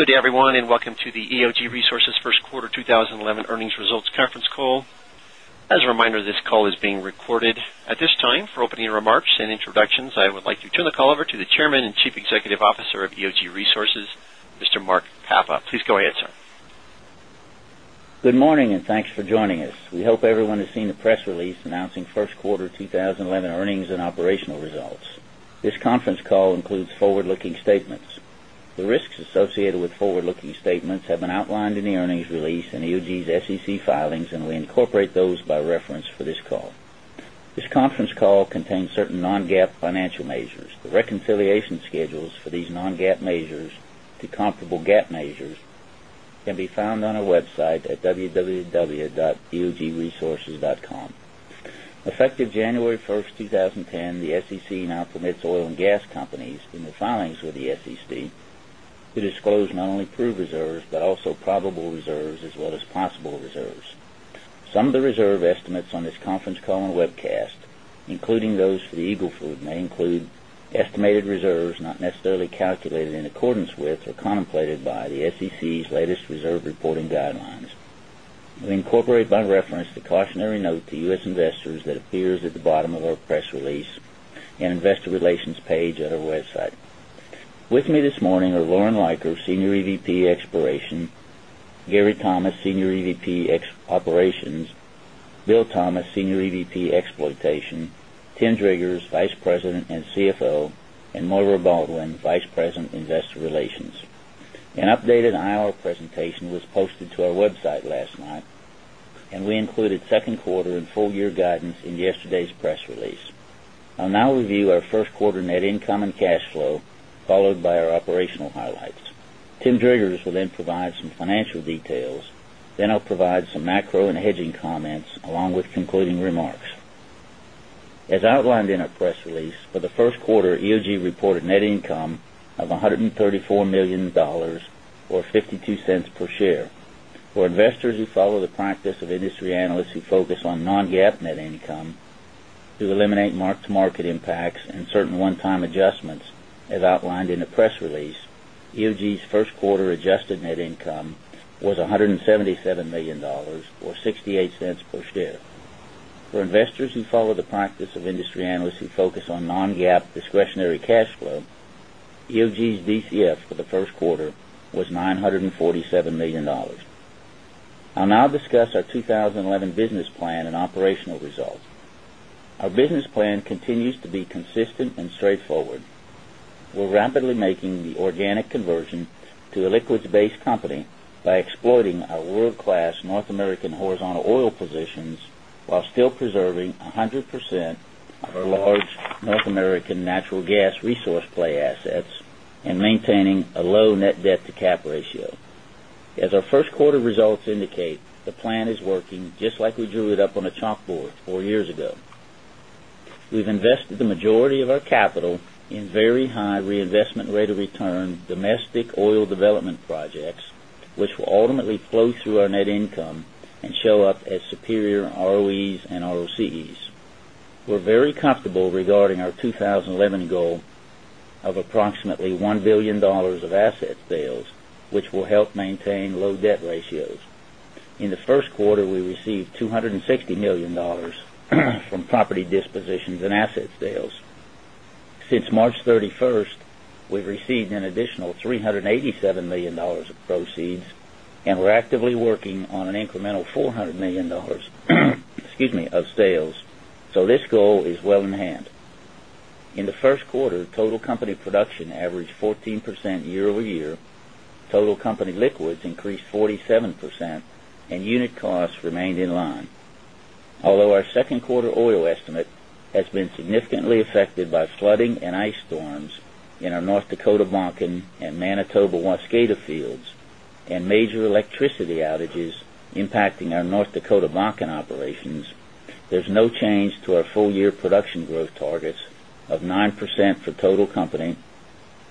Good day, everyone, and welcome to the EOG Resources First Quarter 2011 Earnings Results Conference Call. As a reminder, this call is being recorded. At this time, for opening remarks and introductions, I would like to turn the call over to the Chairman and Chief Executive Officer of EOG Resources, Mr. Mark Papa. Please go ahead, sir. Good morning, and thanks for joining us. We hope everyone has seen the press release announcing First Quarter 2011 Earnings and Operational Results. This conference call includes forward-looking statements. The risks associated with forward-looking statements have been outlined in the earnings release and EOG's SEC filings, and we incorporate those by reference for this call. This conference call contains certain non-GAAP financial measures. The reconciliation schedules for these non-GAAP measures to comparable GAAP measures can be found on our website at www.eogresources.com. Effective January 1st, 2010, the SEC now permits oil and gas companies through the filings with the SEC to disclose not only true reserves but also probable reserves as well as possible reserves. Some of the reserve estimates on this conference call and webcast, including those for the Eagle Ford, may include estimated reserves not necessarily calculated in accordance with or contemplated by the SEC's latest reserve reporting guidelines. We incorporate by reference the cautionary note to U.S. investors that appears at the bottom of our press release and investor relations page at our website. With me this morning are Loren Leiker, Senior EVP, Exploration; Gary Thomas, Senior EVP, Operations; Bill Thomas, Senior EVP, Exploitation; Tim Driggers, Vice President and CFO; and Maire Baldwin, Vice President of Investor Relations. An updated IR presentation was posted to our website last night, and we included second quarter and full-year guidance in yesterday's press release. I'll now review our first quarter net income and cash flow, followed by our operational highlights. Tim Driggers will then provide some financial details. I'll provide some macro and hedging comments along with concluding remarks. As outlined in our press release, for the first quarter, EOG reported net income of $134 million or $0.52 per share. For investors who follow the practice of industry analysts who focus on non-GAAP net income to eliminate mark-to-market impacts and certain one-time adjustments, as outlined in the press release, EOG's first quarter adjusted net income was $177 million or $0.68 per share. For investors who follow the practice of industry analysts who focus on non-GAAP discretionary cash flow, EOG's DCF for the first quarter was $947 million. I'll now discuss our 2011 business plan and operational results. Our business plan continues to be consistent and straightforward. We're rapidly making the organic conversion to a liquids-based company by exploiting our world-class North American horizontal oil positions while still preserving 100% of our large North American natural gas resource play assets and maintaining a low net debt-to-capitalization ratio. As our first quarter results indicate, the plan is working just like we drew it up on a chalkboard four years ago. We've invested the majority of our capital in very high reinvestment rate of return domestic oil development projects, which will ultimately flow through our net income and show up as superior ROEs and ROCEs. We're very comfortable regarding our 2011 goal of approximately $1 billion of asset sales, which will help maintain low debt ratios. In the first quarter, we received $260 million from property dispositions and asset sales. Since March 31, we've received an additional $387 million of proceeds, and we're actively working on an incremental $400 million of sales, so this goal is well in hand. In the first quarter, the total company production averaged 14% year-over-year, total company liquids increased 47%, and unit costs remained in line. Although our second quarter oil estimate has been significantly affected by flooding and ice storms in our North Dakota Bakken and Manitoba Waskada fields and major electricity outages impacting our North Dakota Bakken operations, there's no change to our full-year production growth targets of 9% for total company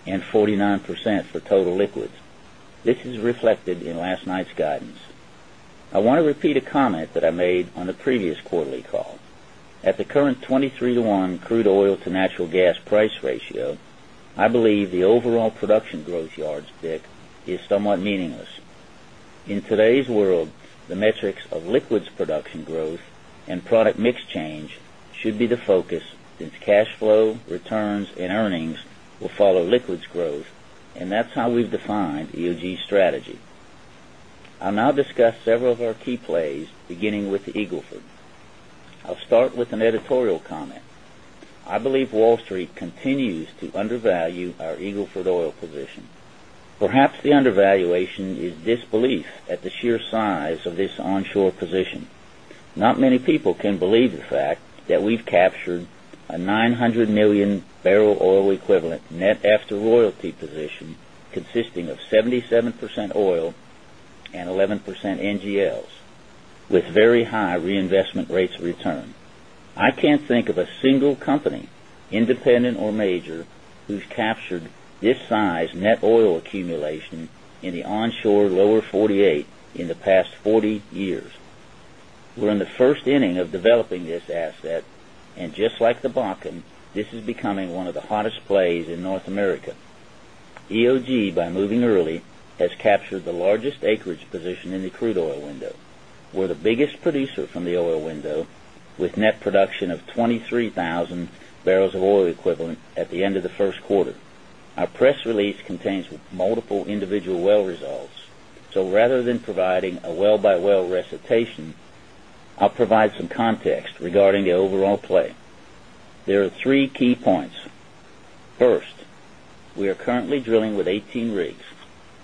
and 49% for total liquids. This is reflected in last night's guidance. I want to repeat a comment that I made on the previous quarterly call. At the current 23-1 crude oil to natural gas price ratio, I believe the overall production growth yardstick is somewhat meaningless. In today's world, the metrics of liquids production growth and product mix change should be the focus since cash flow, returns, and earnings will follow liquids growth, and that's how we've defined EOG strategy. I'll now discuss several of our key plays, beginning with the Eagle Ford. I'll start with an editorial comment. I believe Wall Street continues to undervalue our Eagle Ford oil position. Perhaps the undervaluation is disbelief at the sheer size of this onshore position. Not many people can believe the fact that we've captured a 900 million bbl oil equivalent net after royalty position consisting of 77% oil and 11% NGLs with very high reinvestment rates of return. I can't think of a single company, independent or major, who's captured this size net oil accumulation in the onshore lower 48 in the past 40 years. We're in the first inning of developing this asset, and just like the Bakken, this is becoming one of the hottest plays in North America. EOG, by moving early, has captured the largest acreage position in the crude oil window. We're the biggest producer from the oil window with net production of 23,000 bbl of oil equivalent at the end of the first quarter. Our press release contains multiple individual well results, so rather than providing a well-by-well recitation, I'll provide some context regarding the overall play. There are three key points. First, we are currently drilling with 18 rigs.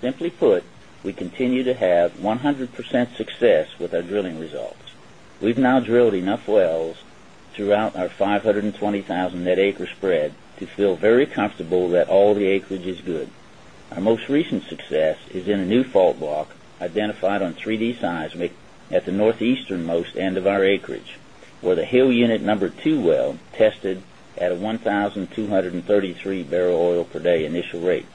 Simply put, we continue to have 100% success with our drilling results. We've now drilled enough wells throughout our 520,000-net-acre spread to feel very comfortable that all the acreage is good. Our most recent success is in a new fault block identified on 3D seismic at the northeasternmost end of our acreage, where the Hill Unit Number Two well tested at a 1,233 bbl oil per day initial rate.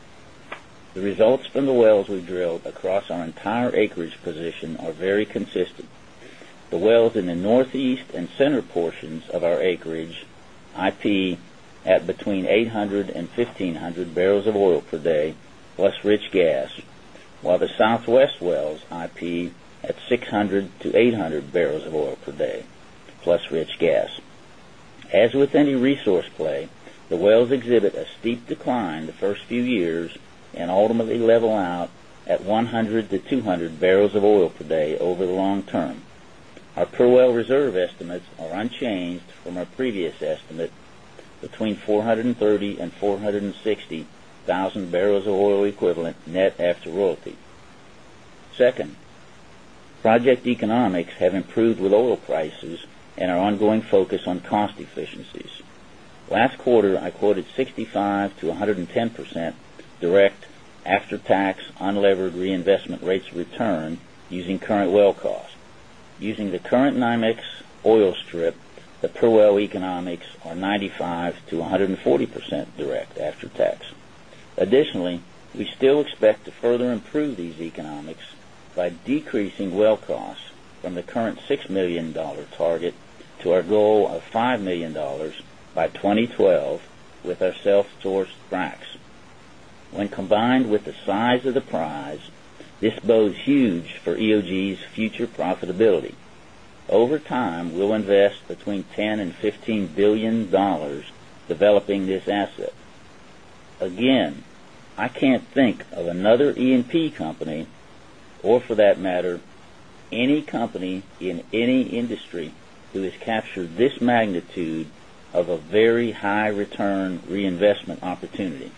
The results from the wells we drilled across our entire acreage position are very consistent. The wells in the northeast and center portions of our acreage IP at between 800 and 1,500 bbl of oil per day, plus rich gas, while the southwest wells IP at 600 bbl-800 bbl of oil per day, plus rich gas. As with any resource play, the wells exhibit a steep decline the first few years and ultimately level out at 100 bbl-200 bbl of oil per day over the long term. Our per well reserve estimates are unchanged from our previous estimate between 430,000 bbl-460,000 bbl of oil equivalent net after royalty. Second, project economics have improved with oil prices and our ongoing focus on cost efficiencies. Last quarter, I quoted 65%-110% direct after-tax unlevered reinvestment rates of return using current well costs. Using the current NYMEX oil strip, the per well economics are 95%-140% direct after-tax. Additionally, we still expect to further improve these economics by decreasing well costs from the current $6 million target to our goal of $5 million by 2012 with our self-sourced sand. When combined with the size of the prize, this bodes huge for EOG's future profitability. Over time, we'll invest between $10 billion-$15 billion developing this asset. Again, I can't think of another E&P company or, for that matter, any company in any industry who has captured this magnitude of a very high return reinvestment opportunity.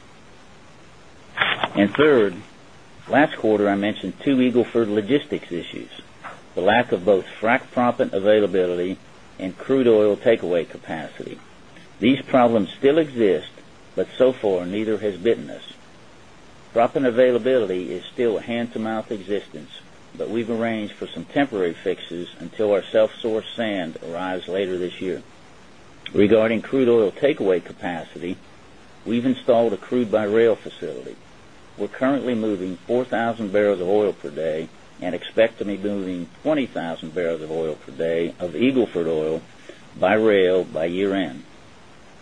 Third, last quarter I mentioned two Eagle Ford logistics issues: the lack of both frack sand availability and crude oil takeaway capacity. These problems still exist, but so far neither has bitten us. Frack sand availability is still a hand-to-mouth existence, but we've arranged for some temporary fixes until our self-sourced sand arrives later this year. Regarding crude oil takeaway capacity, we've installed a crude-by-rail facility. We're currently moving 4,000 bbl of oil per day and expect to be moving 20,000 bbl of oil per day of Eagle Ford oil by rail by year-end.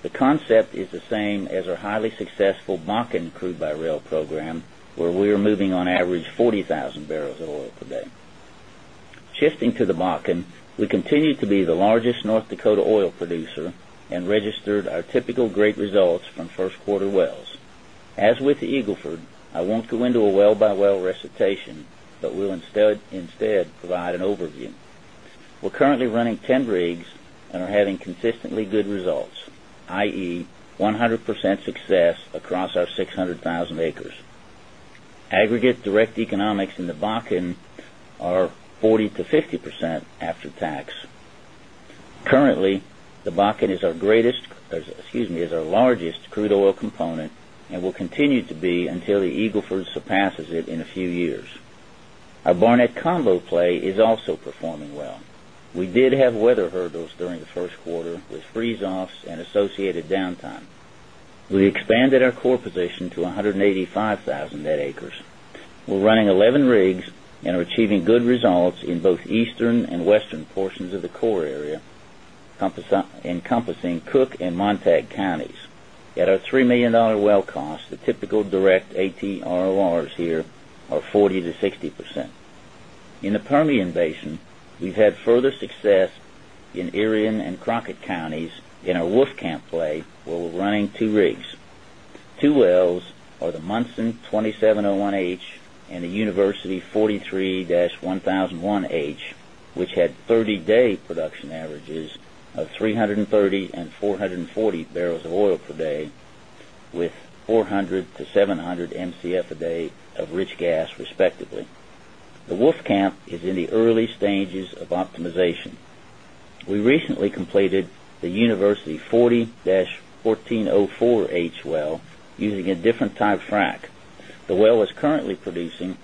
The concept is the same as our highly successful Bakken crude-by-rail program, where we are moving on average 40,000 bbl of oil per day. Shifting to the Bakken, we continue to be the largest North Dakota oil producer and registered our typical great results from first quarter wells. As with the Eagle Ford, I won't go into a well-by-well recitation, but will instead provide an overview. We're currently running 10 rigs and are having consistently good results, i.e., 100% success across our 600,000 acres. Aggregate direct economics in the Bakken are 40%-50% after tax. Currently, the Bakken is our largest crude oil component and will continue to be until the Eagle Ford surpasses it in a few years. Our Barnett Combo play is also performing well. We did have weather hurdles during the first quarter with freeze-offs and associated downtime. We expanded our core position to 185,000 net acres. We're running 11 rigs and are achieving good results in both eastern and western portions of the core area, encompassing Cook and Montague counties. At our $3 million well cost, the typical direct ATRORs here are 40%-60%. In the Permian Basin, we've had further success in Irion and Crockett counties in our Wolfcamp play, where we're running two rigs. Two wells are the Munson 2701H and the University 43-1001H, which had 30-day production averages of 330 bbl-440 bbl of oil per day with 400 Mcf/d-700 Mcf/d of rich gas, respectively. The Wolfcamp is in the early stages of optimization. We recently completed the University 40-1404H well using a different type frack. The well is currently producing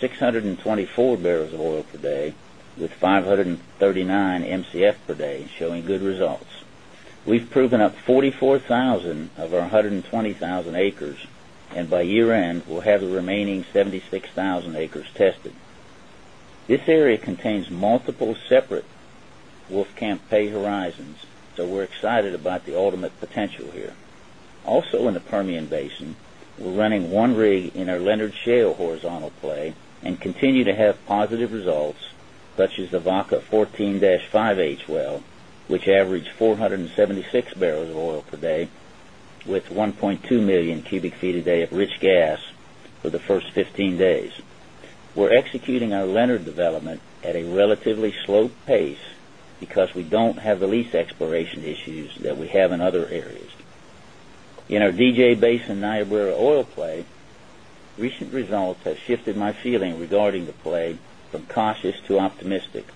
624 bbl of oil per day with 539 Mcf/d, showing good results. We've proven up 44,000 of our 120,000 acres, and by year-end, we'll have the remaining 76,000 acres tested. This area contains multiple separate Wolfcamp pay horizons, so we're excited about the ultimate potential here. Also, in the Permian Basin, we're running one rig in our Leonard Shale horizontal play and continue to have positive results, such as the Vaca 14-5H well, which averaged 476 bbl of oil per day with 1.2 MMcf/d of rich gas for the first 15 days. We're executing our Leonard development at a relatively slow pace because we don't have the lease exploration issues that we have in other areas. In our DJ Basin Niobrara oil play, recent results have shifted my feeling regarding the play from cautious to optimistic.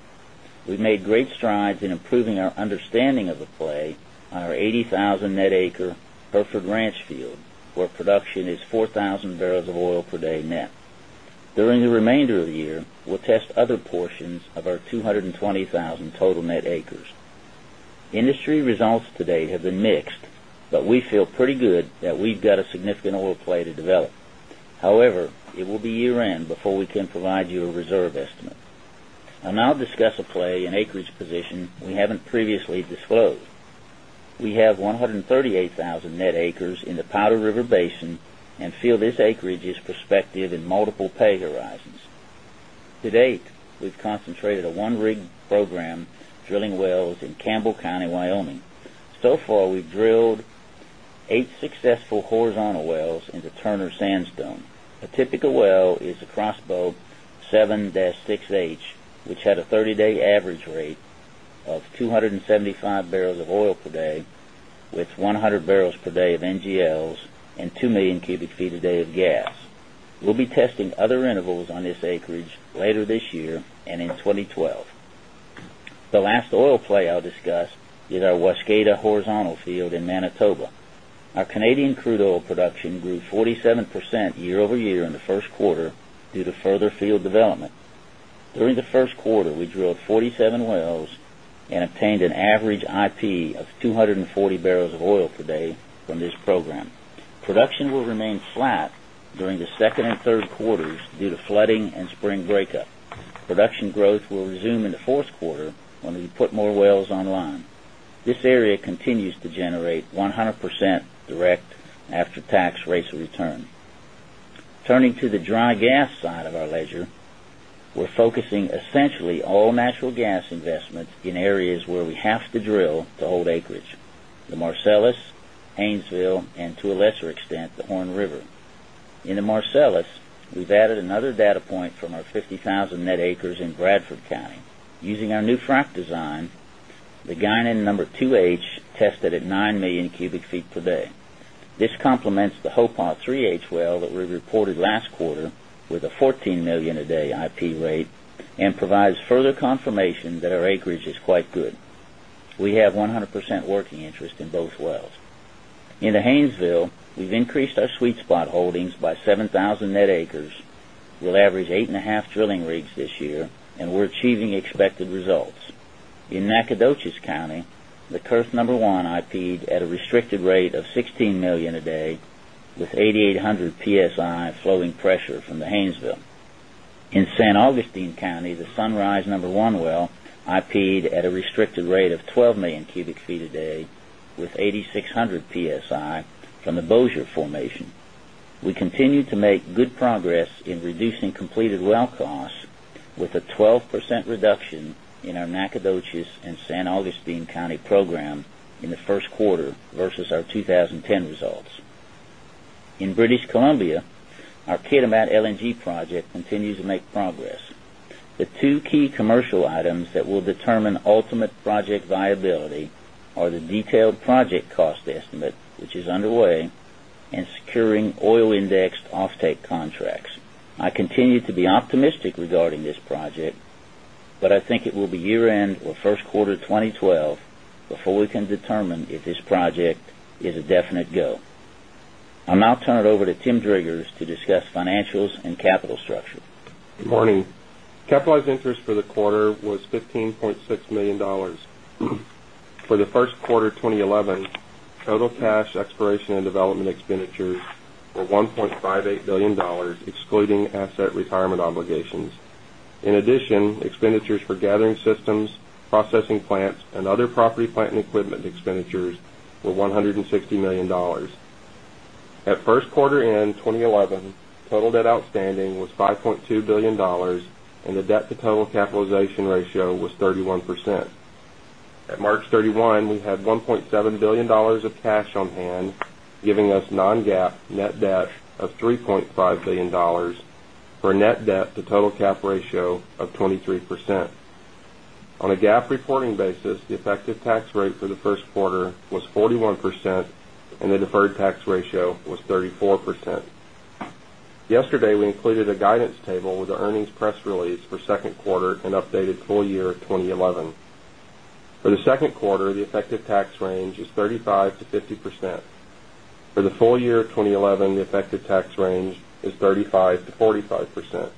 We've made great strides in improving our understanding of the play on our 80,000-net-acre Hereford Ranch field, where production is 4,000 bbl of oil per day net. During the remainder of the year, we'll test other portions of our 220,000 total net acres. Industry results to date have been mixed, but we feel pretty good that we've got a significant oil play to develop. However, it will be year-end before we can provide you a reserve estimate. I'll now discuss a play and acreage position we haven't previously disclosed. We have 138,000 net acres in the Powder River Basin and feel this acreage is prospective in multiple pay horizons. To date, we've concentrated a one-rig program drilling wells in Campbell County, Wyoming. So far, we've drilled eight successful horizontal wells into Turner Sandstone. A typical well is the Crossbow 7-6H, which had a 30-day average rate of 275 bbl of oil per day with 100 bbl per day of NGLs and 2 MMcf/d of gas. We'll be testing other intervals on this acreage later this year and in 2012. The last oil play I'll discuss is our Waskada horizontal field in Manitoba. Our Canadian crude oil production grew 47% year-over-year in the first quarter due to further field development. During the first quarter, we drilled 47 wells and obtained an average IP of 240 bbl of oil per day from this program. Production will remain flat during the second and third quarters due to flooding and spring breakup. Production growth will resume in the fourth quarter when we put more wells online. This area continues to generate 100% direct after-tax rates of return. Turning to the dry gas side of our ledger, we're focusing essentially all natural gas investments in areas where we have to drill to hold acreage: the Marcellus, Haynesville, and to a lesser extent, the Horn River. In the Marcellus, we've added another data point from our 50,000 net acres in Bradford County. Using our new frack design, the Gynan number 2H tested at 9 MMcf/d. This complements the Hopaw 3H well that we reported last quarter with a 14 million MMcf/d IP rate and provides further confirmation that our acreage is quite good. We have 100% working interest in both wells. In the Haynesville, we've increased our sweet spot holdings by 7,000 net acres. We'll average eight and a half drilling rigs this year, and we're achieving expected results. In Nacogdoches County, the Kerth number 1 IP'd at a restricted rate of 16 MMcf/d with 8,800 PSI of flowing pressure from the Haynesville. In San Augustine County, the Sunrise number 1 well IP'd at a restricted rate of 12 MMcf/d with 8,600 PSI from the Bossier formation. We continue to make good progress in reducing completed well costs with a 12% reduction in our Nacogdoches and San Augustine County program in the first quarter versus our 2010 results. In British Columbia, our Kitimat LNG project continues to make progress. The two key commercial items that will determine ultimate project viability are the detailed project cost estimate, which is underway, and securing oil-indexed offtake contracts. I continue to be optimistic regarding this project, but I think it will be year-end or first quarter of 2012 before we can determine if this project is a definite go. I'll now turn it over to Tim Driggers to discuss financials and capital structure. Good morning. Capitalized interest for the quarter was $15.6 million. For the first quarter 2011, total cash exploration and development expenditures were $1.58 billion, excluding asset retirement obligations. In addition, expenditures for gathering systems, processing plants, and other property, plant and equipment expenditures were $160 million. At first quarter end 2011, total debt outstanding was $5.2 billion, and the debt-to-total capitalization ratio was 31%. At March 31, we had $1.7 billion of cash on hand, giving us non-GAAP net debt of $3.5 billion for a net debt-to-total capitalization ratio of 23%. On a GAAP reporting basis, the effective tax rate for the first quarter was 41%, and the deferred tax ratio was 34%. Yesterday, we included a guidance table with the earnings press release for second quarter and updated full year of 2011. For the second quarter, the effective tax range is 35%-50%. For the full year of 2011, the effective tax range is 35%-45%.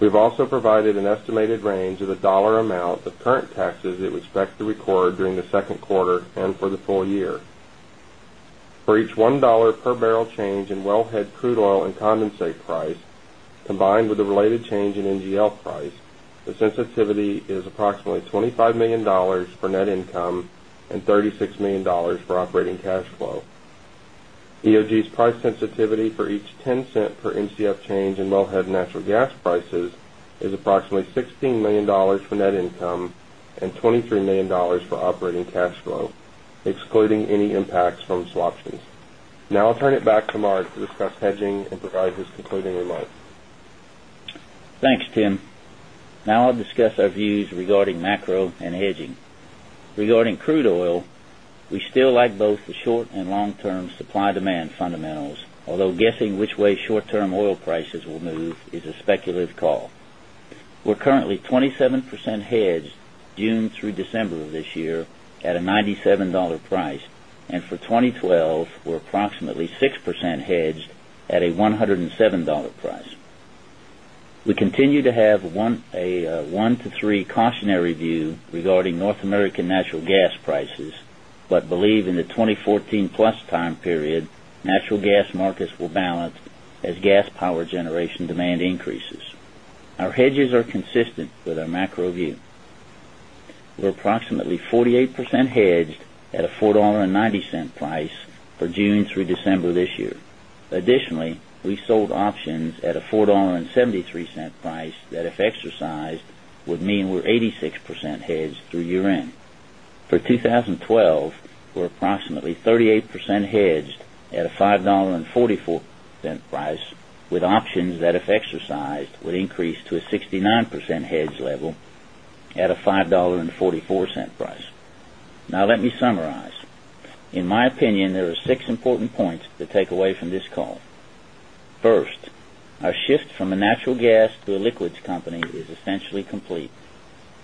We've also provided an estimated range of the dollar amount of current taxes it would expect to record during the second quarter and for the full year. For each $1 per barrel change in well-head crude oil and condensate price, combined with the related change in NGL price, the sensitivity is approximately $25 million for net income and $36 million for operating cash flow. EOG's price sensitivity for each $0.10 per MCF change in well-head natural gas prices is approximately $16 million for net income and $23 million for operating cash flow, excluding any impacts from swaptions. Now I'll turn it back to Mark to discuss hedging and provide his concluding remarks. Thanks, Tim. Now I'll discuss our views regarding macro and hedging. Regarding crude oil, we still like both the short and long-term supply-demand fundamentals, although guessing which way short-term oil prices will move is a speculative call. We're currently 27% hedged June through December of this year at a $97 price, and for 2012, we're approximately 6% hedged at a $107 price. We continue to have a one to three cautionary view regarding North American natural gas prices, but believe in the 2014+ time period, natural gas markets will balance as gas power generation demand increases. Our hedges are consistent with our macro view. We're approximately 48% hedged at a $4.90 price for June through December this year. Additionally, we sold options at a $4.73 price that, if exercised, would mean we're 86% hedged through year-end. For 2012, we're approximately 38% hedged at a $5.44 price, with options that, if exercised, would increase to a 69% hedge level at a $5.44 price. Now let me summarize. In my opinion, there are six important points to take away from this call. First, our shift from a natural gas to a liquids company is essentially complete.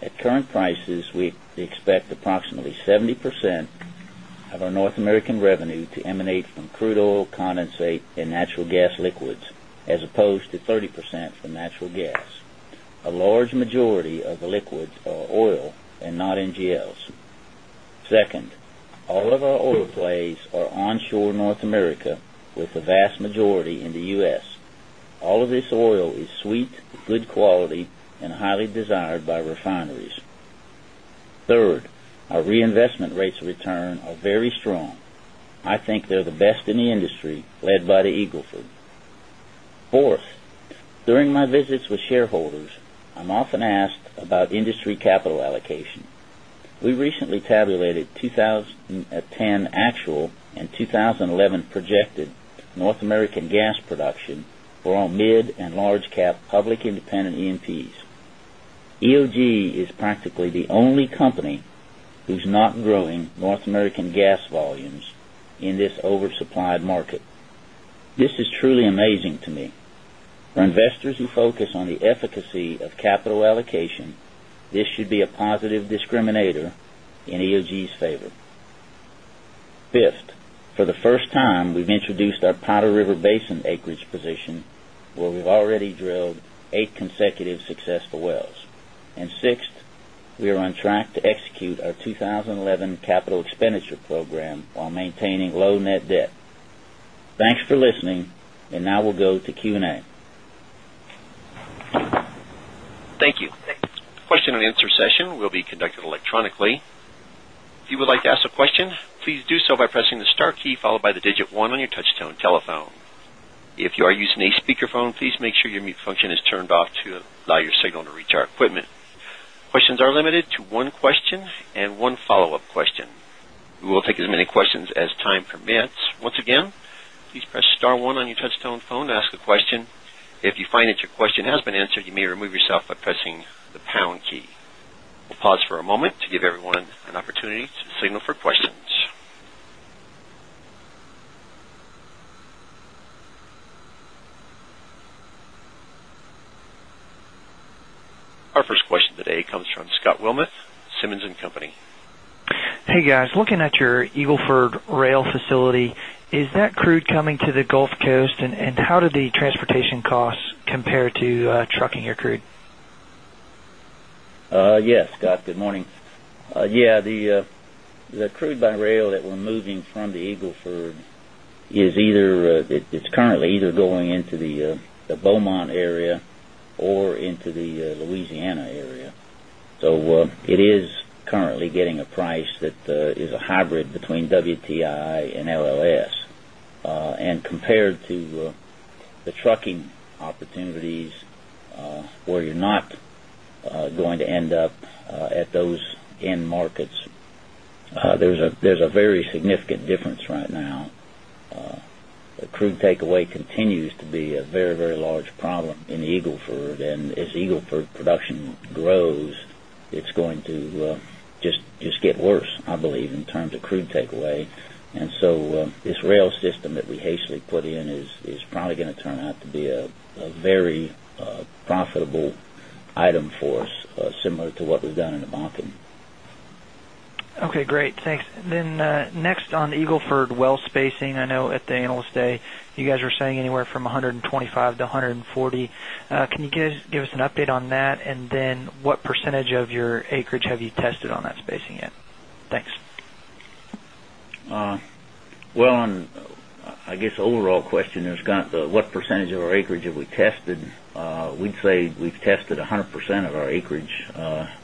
At current prices, we expect approximately 70% of our North American revenue to emanate from crude oil, condensate, and natural gas liquids, as opposed to 30% from natural gas. A large majority of the liquids are oil and not NGLs. Second, all of our oil plays are onshore North America, with the vast majority in the U.S. All of this oil is sweet, good quality, and highly desired by refineries. Third, our reinvestment rates of return are very strong. I think they're the best in the industry led by the Eagle Ford. Fourth, during my visits with shareholders, I'm often asked about industry capital allocation. We recently tabulated 2010 actual and 2011 projected North American gas production for all mid and large-cap public independent E&Ps. EOG is practically the only company who's not growing North American gas volumes in this oversupplied market. This is truly amazing to me. For investors who focus on the efficacy of capital allocation, this should be a positive discriminator in EOG's favor. Fifth, for the first time, we've introduced our Powder River Basin acreage position, where we've already drilled eight consecutive successful wells. Sixth, we are on track to execute our 2011 capital expenditure program while maintaining low net debt. Thanks for listening, and now we'll go to Q&A. Thank you. Question and answer session will be conducted electronically. If you would like to ask a question, please do so by pressing the star key followed by the digit one on your touch-tone telephone. If you are using a speakerphone, please make sure your mute function is turned off to allow your signal to reach our equipment. Questions are limited to one question and one follow-up question. We will take as many questions as time permits. Once again, please press star one on your touch-tone phone to ask a question. If you find that your question has been answered, you may remove yourself by pressing the pound key. We'll pause for a moment to give everyone an opportunity to signal for questions. Our first question today comes from Scott Wilmoth, Simmons & Company. Hey guys, looking at your Eagle Ford rail facility, is that crude coming to the Gulf Coast, and how do the transportation costs compare to trucking your crude? Yeah, Scott, good morning. The crude-by-rail that we're moving from the Eagle Ford is currently either going into the Beaumont area or into the Louisiana area. It is currently getting a price that is a hybrid between WTI and LLS. Compared to the trucking opportunities, where you're not going to end up at those end markets, there's a very significant difference right now. The crude takeaway continues to be a very, very large problem in the Eagle Ford. As Eagle Ford production grows, it's going to just get worse, I believe, in terms of crude takeaway. This rail system that we hastily put in is probably going to turn out to be a very profitable item for us, similar to what we've done in the Bakken. Okay, great. Thanks. Next, on Eagle Ford well spacing, I know at the analyst day, you guys were saying anywhere from 125-140. Can you give us an update on that? What percentage of your acreage have you tested on that spacing yet? Thanks. I guess the overall question is what percentage of our acreage have we tested? We'd say we've tested 100% of our acreage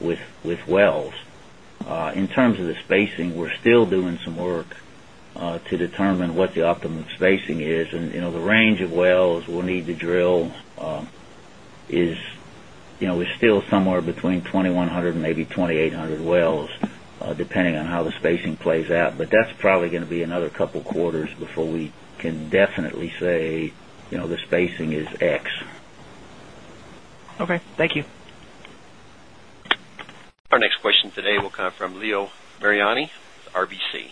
with wells. In terms of the spacing, we're still doing some work to determine what the optimum spacing is. You know the range of wells we'll need to drill is still somewhere between 2,100 and maybe 2,800 wells, depending on how the spacing plays out. That's probably going to be another couple of quarters before we can definitely say, you know the spacing is X. Okay, thank you. Our next question today will come from Leo Mariani, RBC.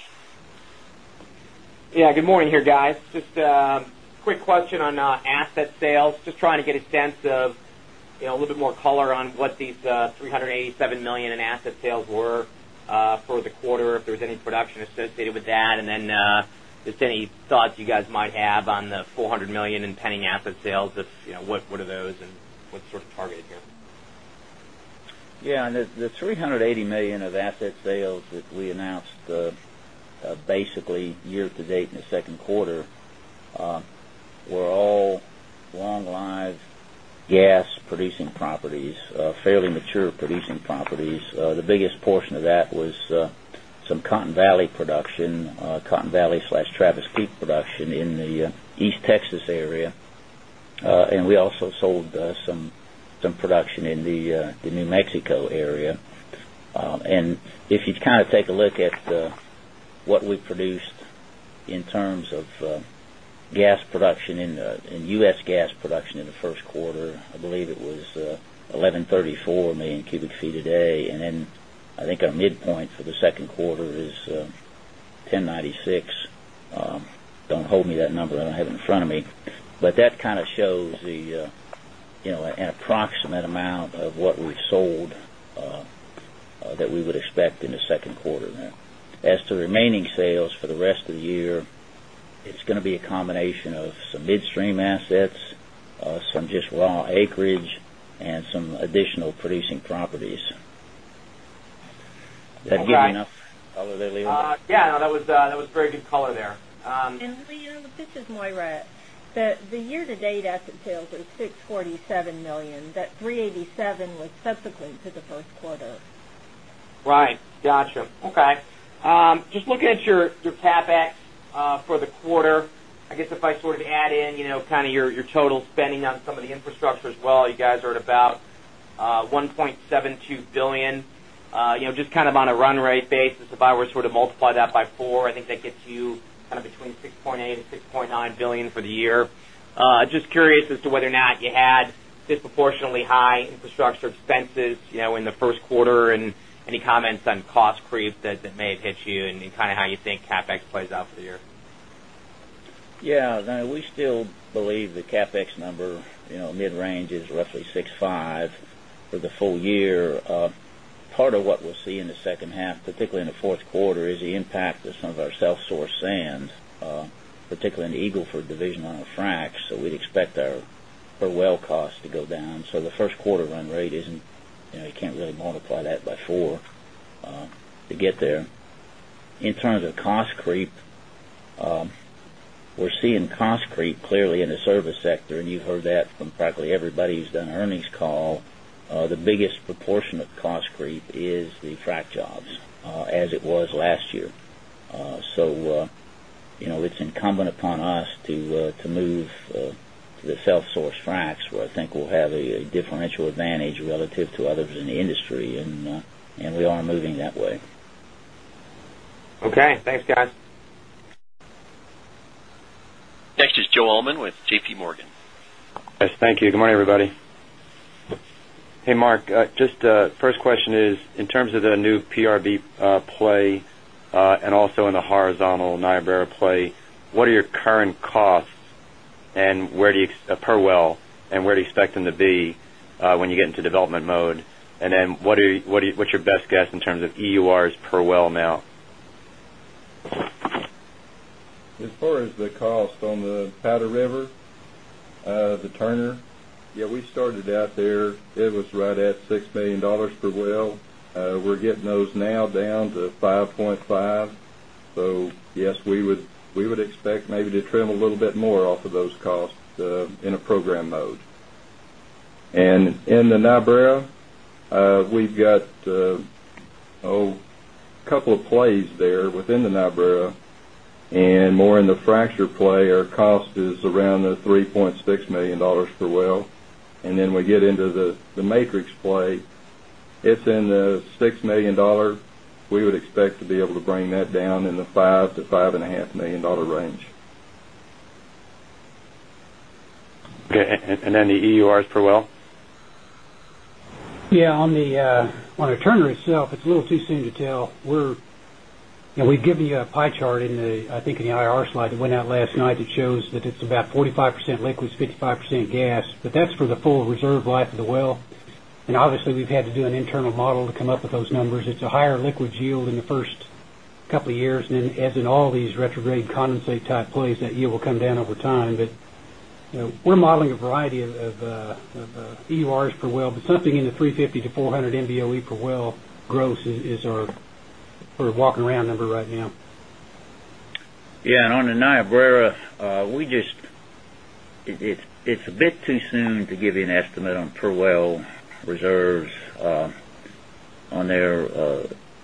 Yeah, good morning, guys. Just a quick question on asset sales. Just trying to get a sense of a little bit more color on what these $387 million in asset sales were for the quarter, if there was any production associated with that. Also, any thoughts you guys might have on the $400 million in pending asset sales, if you know what those are and what sort of target you have there. Yeah, the $380 million of asset sales that we announced basically year to date in the second quarter were all long-lived gas producing properties, fairly mature producing properties. The biggest portion of that was some Cotton Valley production, Cotton Valley slash Travis Peak production in the East Texas area. We also sold some production in the New Mexico area. If you kind of take a look at what we produced in terms of gas production in the U.S. gas production in the first quarter, I believe it was 1,134 MMcf/d. I think our midpoint for the second quarter is 1,096 MMcf/d. Do not hold me to that number that I have in front of me, but that kind of shows the, you know, an approximate amount of what we sold that we would expect in the second quarter there. As to remaining sales for the rest of the year, it is going to be a combination of some midstream assets, some just raw acreage, and some additional producing properties. Did that give you enough color there, Leo? Yeah, no, that was very good color there. Leo, this is Maire. The year-to-date asset sales is $647 million. That $387 million was subsequent to the first quarter. Right. Gotcha. Okay. Just looking at your CapEx for the quarter, I guess if I sort of add in your total spending on some of the infrastructure as well, you guys are at about $1.72 billion. Just kind of on a run rate basis, if I were to sort of multiply that by four, I think that gets you kind of between $6.8 billion-$6.9 billion for the year. Just curious as to whether or not you had disproportionately high infrastructure expenses in the first quarter and any comments on cost creep that may have hit you and kind of how you think CapEx plays out for the year. Yeah, now we still believe the CapEx number, you know, mid-range is roughly $6.5 billion for the full year. Part of what we'll see in the second half, particularly in the fourth quarter, is the impact of some of our self-sourced sand, particularly in the Eagle Ford division on our fracs. We'd expect our per well cost to go down. The first quarter run rate isn't, you know, you can't really multiply that by four to get there. In terms of cost creep, we're seeing cost creep clearly in the service sector, and you've heard that from practically everybody who's done an earnings call. The biggest proportion of cost creep is the frac jobs, as it was last year. It's incumbent upon us to move to the self-sourced fracs where I think we'll have a differential advantage relative to others in the industry, and we are moving that way. Okay, thanks, guys. Next is Joe Allman with JPMorgan. Yes, thank you. Good morning, everybody. Hey Mark, just the first question is, in terms of the new Powder River Basin play and also in the horizontal Niobrara play, what are your current costs per well, and where do you expect them to be when you get into development mode? What's your best guess in terms of EURs per well amount? As far as the cost on the Powder River, the Turner, yeah, we started out there. It was right at $6 million per well. We're getting those now down to $5.5 million. Yes, we would expect maybe to trim a little bit more off of those costs in a program mode. In the Niobrara, we've got a couple of plays there within the Niobrara, and more in the fracture play, our cost is around $3.6 million per well. Then we get into the matrix play. It's in the $6 million range. We would expect to be able to bring that down in the $5 million-$5.5 million range. What are the EURs per well? Yeah, on the Turner itself, it's a little too soon to tell. We've given you a pie chart in the, I think, in the IRR slide that went out last night that shows that it's about 45% liquids, 55% gas, but that's for the full reserve life of the well. Obviously, we've had to do an internal model to come up with those numbers. It's a higher liquids yield in the first couple of years, as in all these retrograde condensate-type plays, that yield will come down over time. We're modeling a variety of EURs per well, but something in the 350 MBOE-400 MBOE per well growth is our sort of walking around number right now. Yeah, on the Niobrara, it's a bit too soon to give you an estimate on per well reserves. The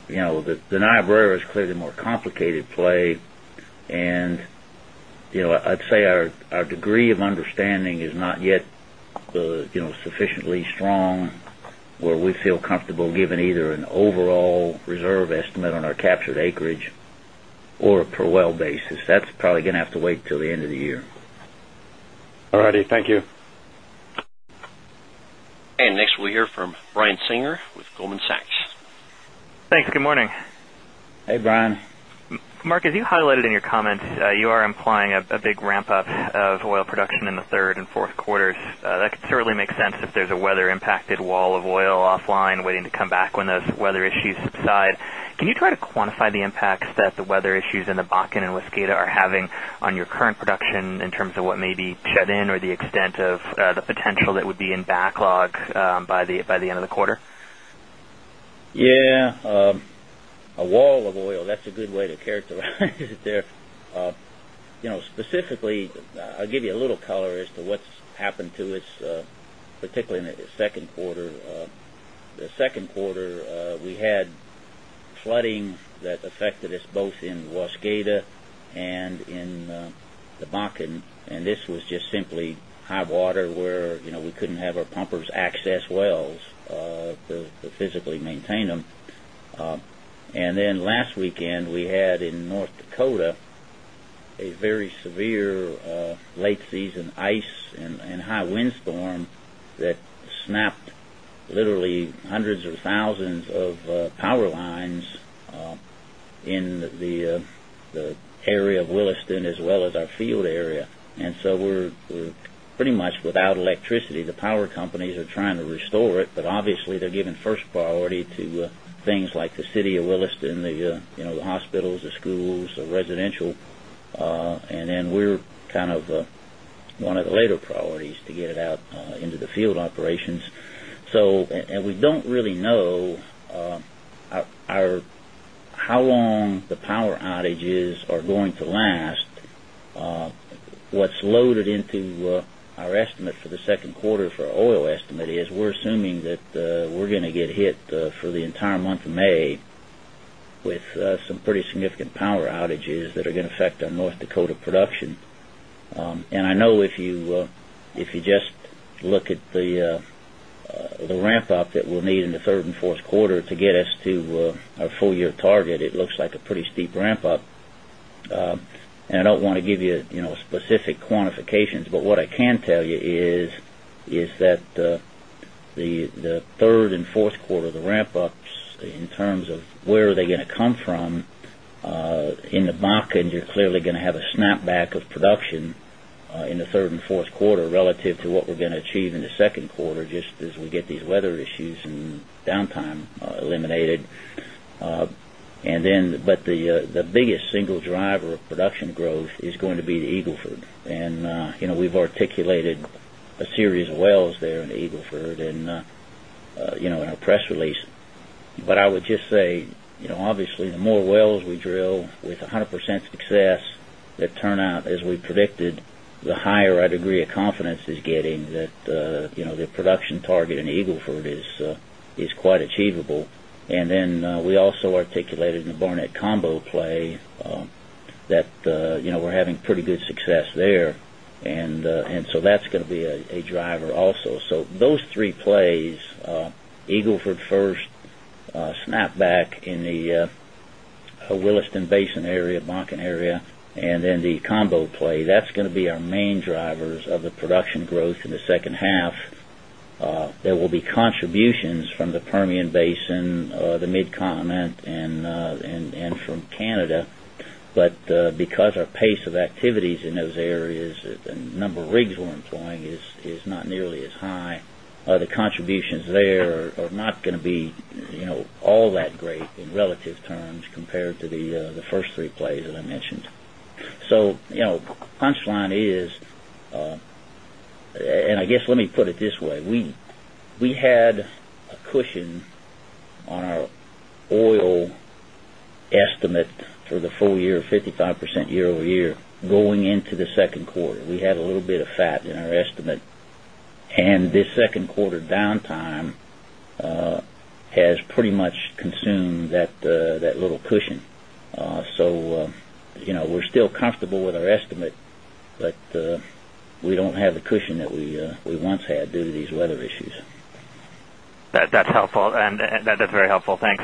Niobrara is clearly a more complicated play, and I'd say our degree of understanding is not yet sufficiently strong where we feel comfortable giving either an overall reserve estimate on our captured acreage or a per well basis. That's probably going to have to wait till the end of the year. All right, thank you. Next, we'll hear from Brian Singer with Goldman Sachs. Thanks, good morning. Hey Brian. Mark, as you highlighted in your comments, you are implying a big ramp-up of oil production in the third and fourth quarters. That certainly makes sense if there's a weather-impacted wall of oil offline waiting to come back when those weather issues subside. Can you try to quantify the impacts that the weather issues in the Bakken and Williston are having on your current production in terms of what may be shut in or the extent of the potential that would be in backlog by the end of the quarter? Yeah, a wall of oil, that's a good way to characterize it there. Specifically, I'll give you a little color as to what's happened to us, particularly in the second quarter. The second quarter, we had flooding that affected us both in Waskata and in the Bakken, and this was just simply high water where we couldn't have our pumpers access wells to physically maintain them. Last weekend, we had in North Dakota a very severe late-season ice and high windstorm that knocked literally hundreds of thousands of power lines in the area of Williston as well as our field area. We're pretty much without electricity. The power companies are trying to restore it, but obviously, they're giving first priority to things like the city of Williston, the hospitals, the schools, the residential. We're kind of one of the later priorities to get it out into the field operations. We don't really know how long the power outages are going to last. What's loaded into our estimate for the second quarter for our oil estimate is we're assuming that we're going to get hit for the entire month of May with some pretty significant power outages that are going to affect our North Dakota production. If you just look at the ramp-up that we'll need in the third and fourth quarter to get us to our full-year target, it looks like a pretty steep ramp-up. I don't want to give you specific quantifications, but what I can tell you is that the third and fourth quarter of the ramp-ups in terms of where they're going to come from in the Bakken, you're clearly going to have a snapback of production in the third and fourth quarter relative to what we're going to achieve in the second quarter just as we get these weather issues and downtime eliminated. The biggest single driver of production growth is going to be the Eagle Ford. We've articulated a series of wells there in the Eagle Ford and in our press release. I would just say, obviously, the more wells we drill with 100% success, the turnout, as we predicted, the higher our degree of confidence is getting that the production target in Eagle Ford is quite achievable. We also articulated in the Barnett Combo play that we're having pretty good success there, and that's going to be a driver also. Those three plays, Eagle Ford first, snapback in the Williston Basin area, Bakken area, and then the Combo play, are going to be our main drivers of the production growth in the second half. There will be contributions from the Permian Basin, the Mid-Continent, and from Canada. Because our pace of activities in those areas, the number of rigs we're employing is not nearly as high, the contributions there are not going to be all that great in relative terms compared to the first three plays that I mentioned. The punchline is, and I guess let me put it this way, we had a cushion on our oil estimate for the full year, 55% year-over-year going into the second quarter. We had a little bit of fat in our estimate. This second quarter downtime has pretty much consumed that little cushion. We're still comfortable with our estimate, but we don't have the cushion that we once had due to these weather issues. That's helpful. That's very helpful, thanks.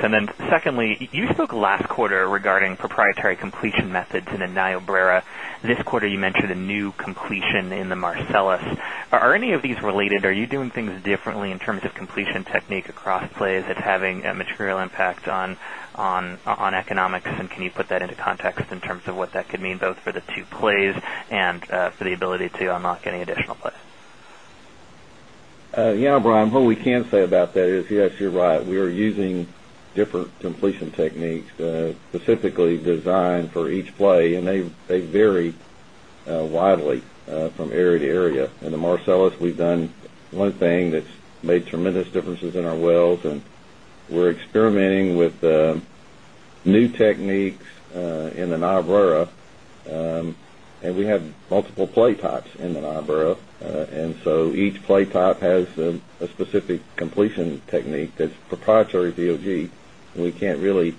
Secondly, you spoke last quarter regarding proprietary completion methods in the Niobrara. This quarter, you mentioned a new completion in the Marcellus. Are any of these related? Are you doing things differently in terms of completion technique across plays that are having a material impact on economics? Can you put that into context in terms of what that could mean both for the two plays and for the ability to unlock any additional play? Yeah, Brian, what we can say about that is, yes, you're right. We are using different completion techniques specifically designed for each play, and they vary widely from area to area. In the Marcellus, we've done one thing that's made tremendous differences in our wells, and we're experimenting with new techniques in the Niobrara. We have multiple play types in the Niobrara, so each play type has a specific completion technique that's proprietary to EOG. We can't really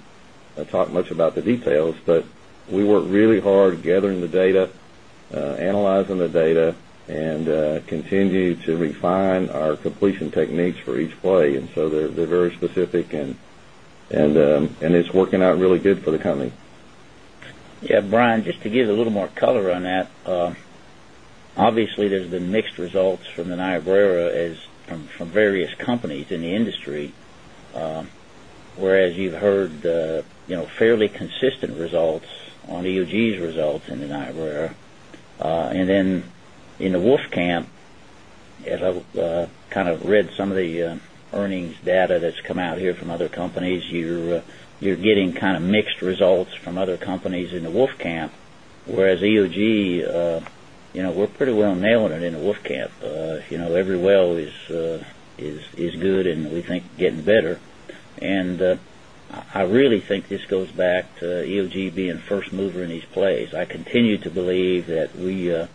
talk much about the details, but we work really hard gathering the data, analyzing the data, and continue to refine our completion techniques for each play. They're very specific, and it's working out really good for the company. Yeah, Brian, just to give a little more color on that, obviously, there's the mixed results from the Niobrara from various companies in the industry, whereas you've heard fairly consistent results on EOG's results in the Niobrara. In the Wolfcamp, if I kind of read some of the earnings data that's come out here from other companies, you're getting kind of mixed results from other companies in the Wolfcamp, whereas EOG, you know, we're pretty well nailing it in the Wolfcamp. Every well is good, and we think getting better. I really think this goes back to EOG being first mover in these plays. I continue to believe that we are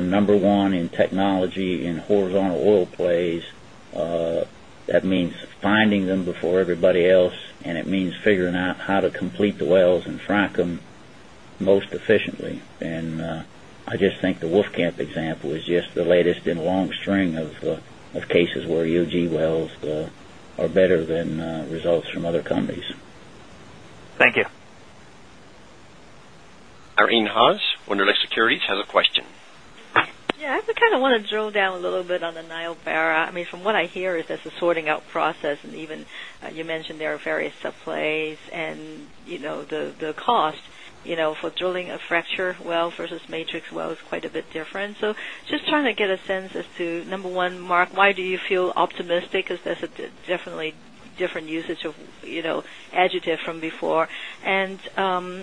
number one in technology in horizontal oil plays. That means finding them before everybody else, and it means figuring out how to complete the wells and frack them most efficiently. I just think the Wolfcamp example is just the latest in a long string of cases where EOG wells are better than results from other companies. Thank you. Irene Haas, Wunderlich Securities has a question. Yeah, I kind of want to drill down a little bit on the Niobrara. I mean, from what I hear, if there's a sorting out process, and even you mentioned there are various sub-plays, and you know the cost for drilling a fracture well versus matrix well is quite a bit different. Just trying to get a sense as to, number one, Mark, why do you feel optimistic? Because there's definitely different usage of adjectives from before. How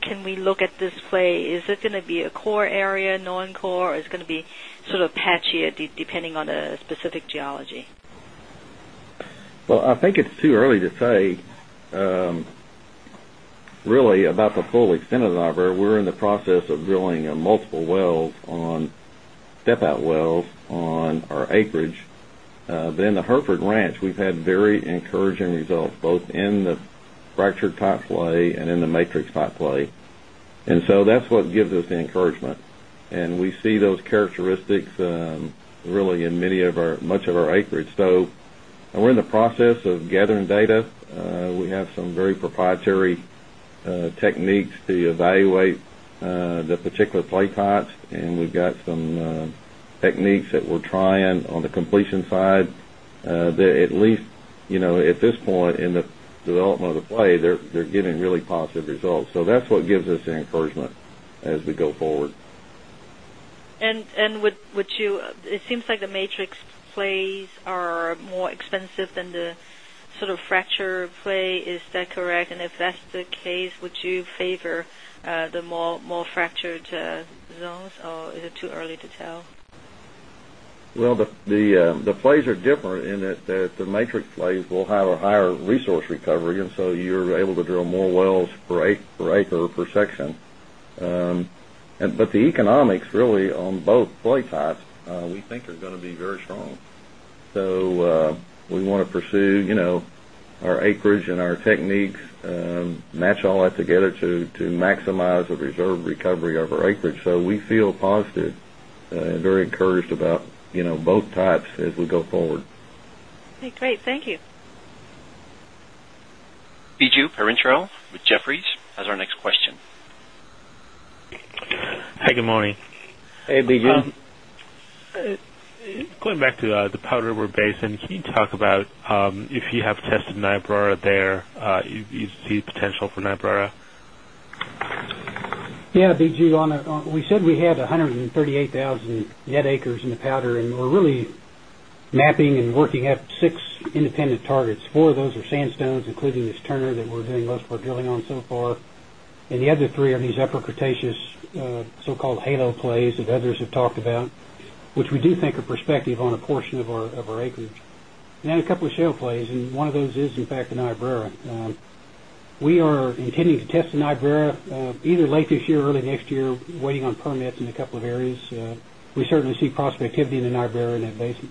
can we look at this play? Is it going to be a core area, non-core, or is it going to be sort of patchy depending on a specific geology? I think it's too early to say really about the full extent of Niobrara. We're in the process of drilling multiple step-out wells on our acreage. The Hereford Ranch has had very encouraging results both in the fractured type play and in the matrix type play, which gives us encouragement. We see those characteristics in much of our acreage. We're in the process of gathering data. We have some very proprietary techniques to evaluate the particular play types, and we've got some techniques that we're trying on the completion side. At this point in the development of the play, they're getting really positive results, which gives us encouragement as we go forward. Would you, it seems like the matrix plays are more expensive than the sort of fracture play. Is that correct? If that's the case, would you favor the more fractured zones, or is it too early to tell? The plays are different in that the matrix plays will have a higher resource recovery, and you're able to drill more wells per acre or per section. The economics really on both play types we think are going to be very strong. We want to pursue our acreage and our techniques, match all that together to maximize the reserve recovery of our acreage. We feel positive and very encouraged about both types as we go forward. Okay, great. Thank you. Biju Perincheril with Jefferies has our next question. Hey, good morning. Hey, Biju. Going back to the Powder River Basin, can you talk about if you have tested Niobrara there, you see the potential for Niobrara? Yeah, Biju, we said we had 138,000 net acres in the Powder, and we're really mapping and working up six independent targets. Four of those are sandstones, including this Turner that we're doing work for drilling on so far. The other three are these upper Cretaceous, so-called halo plays that others have talked about, which we do think are prospective on a portion of our acreage. A couple of shale plays, and one of those is, in fact, the Niobrara. We are intending to test the Niobrara either late this year or early next year, waiting on permits in a couple of areas. We certainly see prospectivity in the Niobrara in that basin.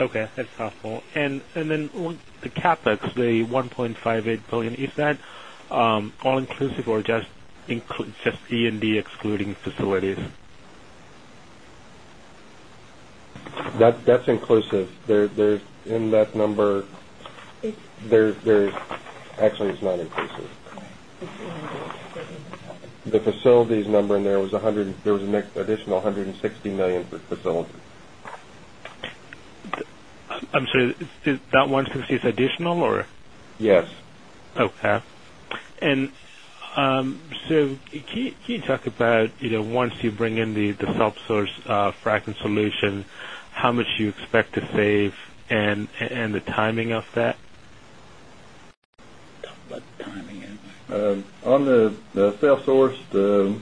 Okay, that's helpful. Is the CapEx, the $1.58 billion, all-inclusive or just inclusive C and D excluding facilities? That's inclusive. In that number, it's not inclusive. The facilities number in there was a mixed additional $160 million for facilities. I'm sorry, is that one specific additional or? Yes. Okay. Can you talk about, you know, once you bring in the self-sourced sand solution, how much you expect to save and the timing of that? Timing and on the self-sourced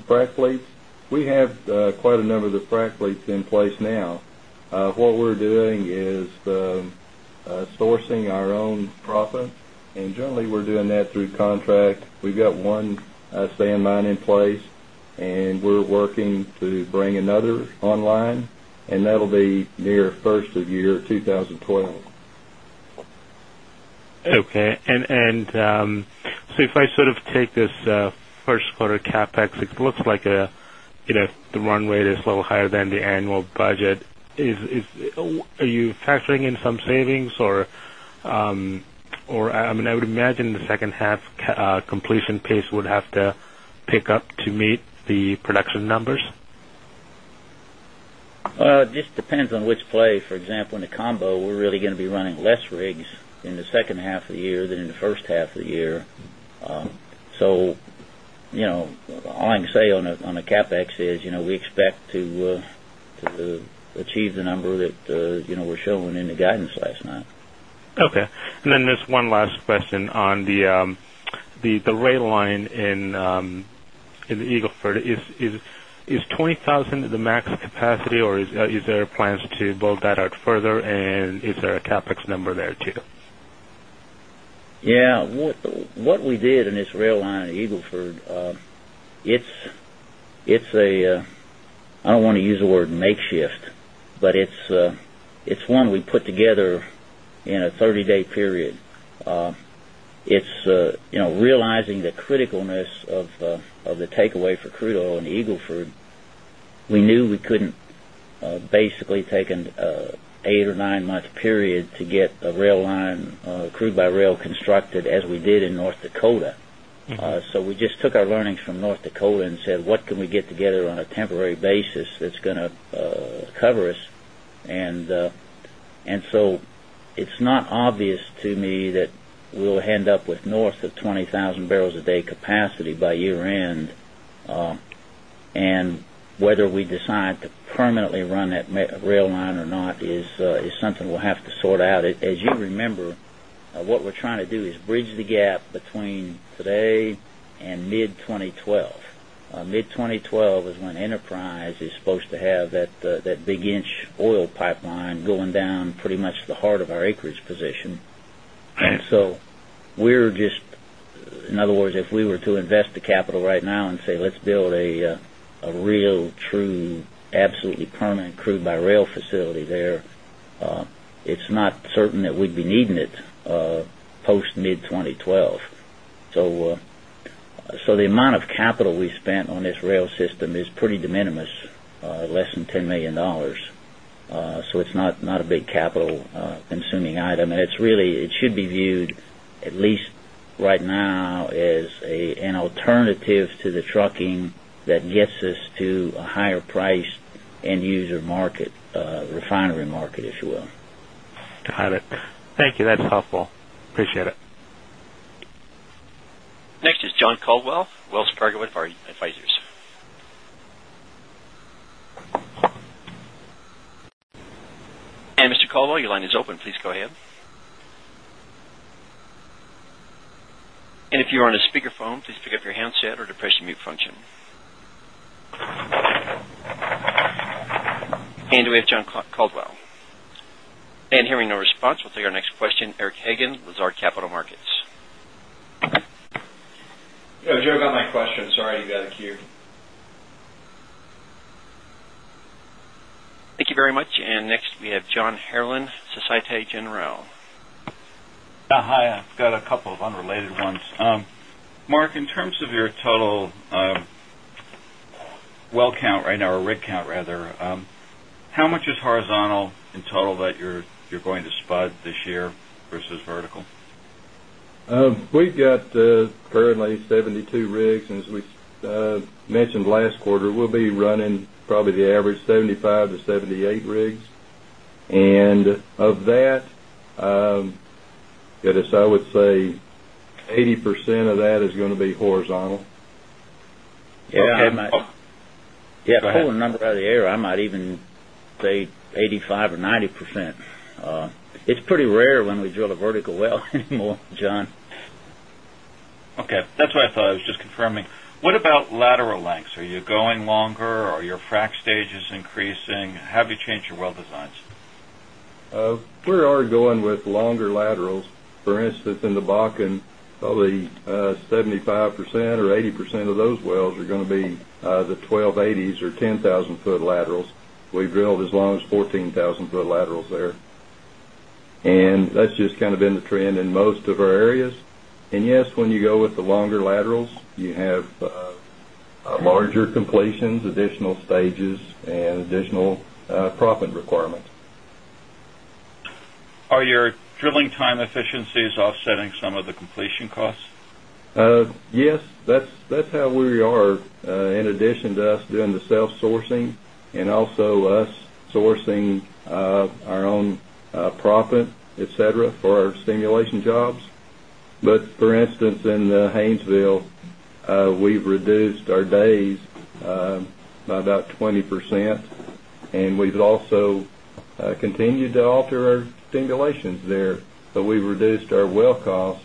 sand plants, we have quite a number of the sand plants in place now. What we're doing is sourcing our own proppant, and generally, we're doing that through contract. We've got one sand mine in place, and we're working to bring another online, and that'll be near the first of the year of 2020. Okay. If I sort of take this first quarter CapEx, it looks like the run rate is a little higher than the annual budget. Are you factoring in some savings, or I mean, I would imagine the second half completion pace would have to pick up to meet the production numbers? It just depends on which play. For example, in the combo, we're really going to be running less rigs in the second half of the year than in the first half of the year. All I can say on CapEx is we expect to achieve the number that we're showing in the guidance last night. Okay. There is one last question on the rail line in the Eagle Ford. Is 20,000 bbl the max capacity or are there plans to build that out further, and is there a CapEx number there too? Yeah, what we did in this rail line at Eagle Ford, it's a, I don't want to use the word makeshift, but it's one we put together in a 30-day period. It's, you know, realizing the criticalness of the takeaway for crude oil in Eagle Ford. We knew we couldn't basically take an eight or nine-month period to get a rail line crude-by-rail constructed as we did in North Dakota. We just took our learnings from North Dakota and said, what can we get together on a temporary basis that's going to cover us? It's not obvious to me that we'll end up with north of 20,000 bbl a day capacity by year-end. Whether we decide to permanently run that rail line or not is something we'll have to sort out. As you remember, what we're trying to do is bridge the gap between today and mid-2012. Mid-2012 is when Enterprise is supposed to have that big-inch oil pipeline going down pretty much the heart of our acreage position. We're just, in other words, if we were to invest the capital right now and say, let's build a real, true, absolutely permanent crude-by-rail facility there, it's not certain that we'd be needing it post-mid-2012. The amount of capital we spent on this rail system is pretty de minimis, less than $10 million. It's not a big capital-consuming item. It should be viewed at least right now as an alternative to the trucking that gets us to a higher-priced end-user market, refinery market, if you will. Got it. Thank you. That's helpful. Appreciate it. Next is John Caldwell, Wells Fargo Advisors. Mr. Caldwell, your line is open. Please go ahead. If you are on a speaker phone, please pick up your handset or depress your mute function. Do we have John Caldwell? Hearing no response, we'll take our next question, Eric Hagen, Lazard Capital Markets. Yeah, [it was Eric] on my question. Sorry to be out of queue. Thank you very much. Next, we have John Herrlin, Societe Generale. Hi, I've got a couple of unrelated ones. Mark, in terms of your total well count right now, or rig count rather, how much is horizontal in total that you're going to spud this year versus vertical? We've got currently 72 rigs, and as we mentioned last quarter, we'll be running probably the average 75-78 rigs. Of that, I would say 80% of that is going to be horizontal. Yeah, if I pull a number out of the air, I might even say 85% or 90%. It's pretty rare when we drill a vertical well anymore, John. Okay, that's what I thought. I was just confirming. What about lateral lengths? Are you going longer? Are your frac stages increasing? How have you changed your well designs? We are going with longer laterals. For instance, in the Bakken, probably 75% or 80% of those wells are going to be the 1,280s or 10,000 ft laterals. We've drilled as long as 14,000 ft laterals there. That's just kind of been the trend in most of our areas. Yes, when you go with the longer laterals, you have larger completions, additional stages, and additional proppant requirements. Are your drilling time efficiencies offsetting some of the completion costs? Yes, that's how we are, in addition to us doing the self-sourcing and also us sourcing our own profit, etc., for our stimulation jobs. For instance, in the Haynesville, we've reduced our days by about 20%. We've also continued to alter our stimulations there. We've reduced our well costs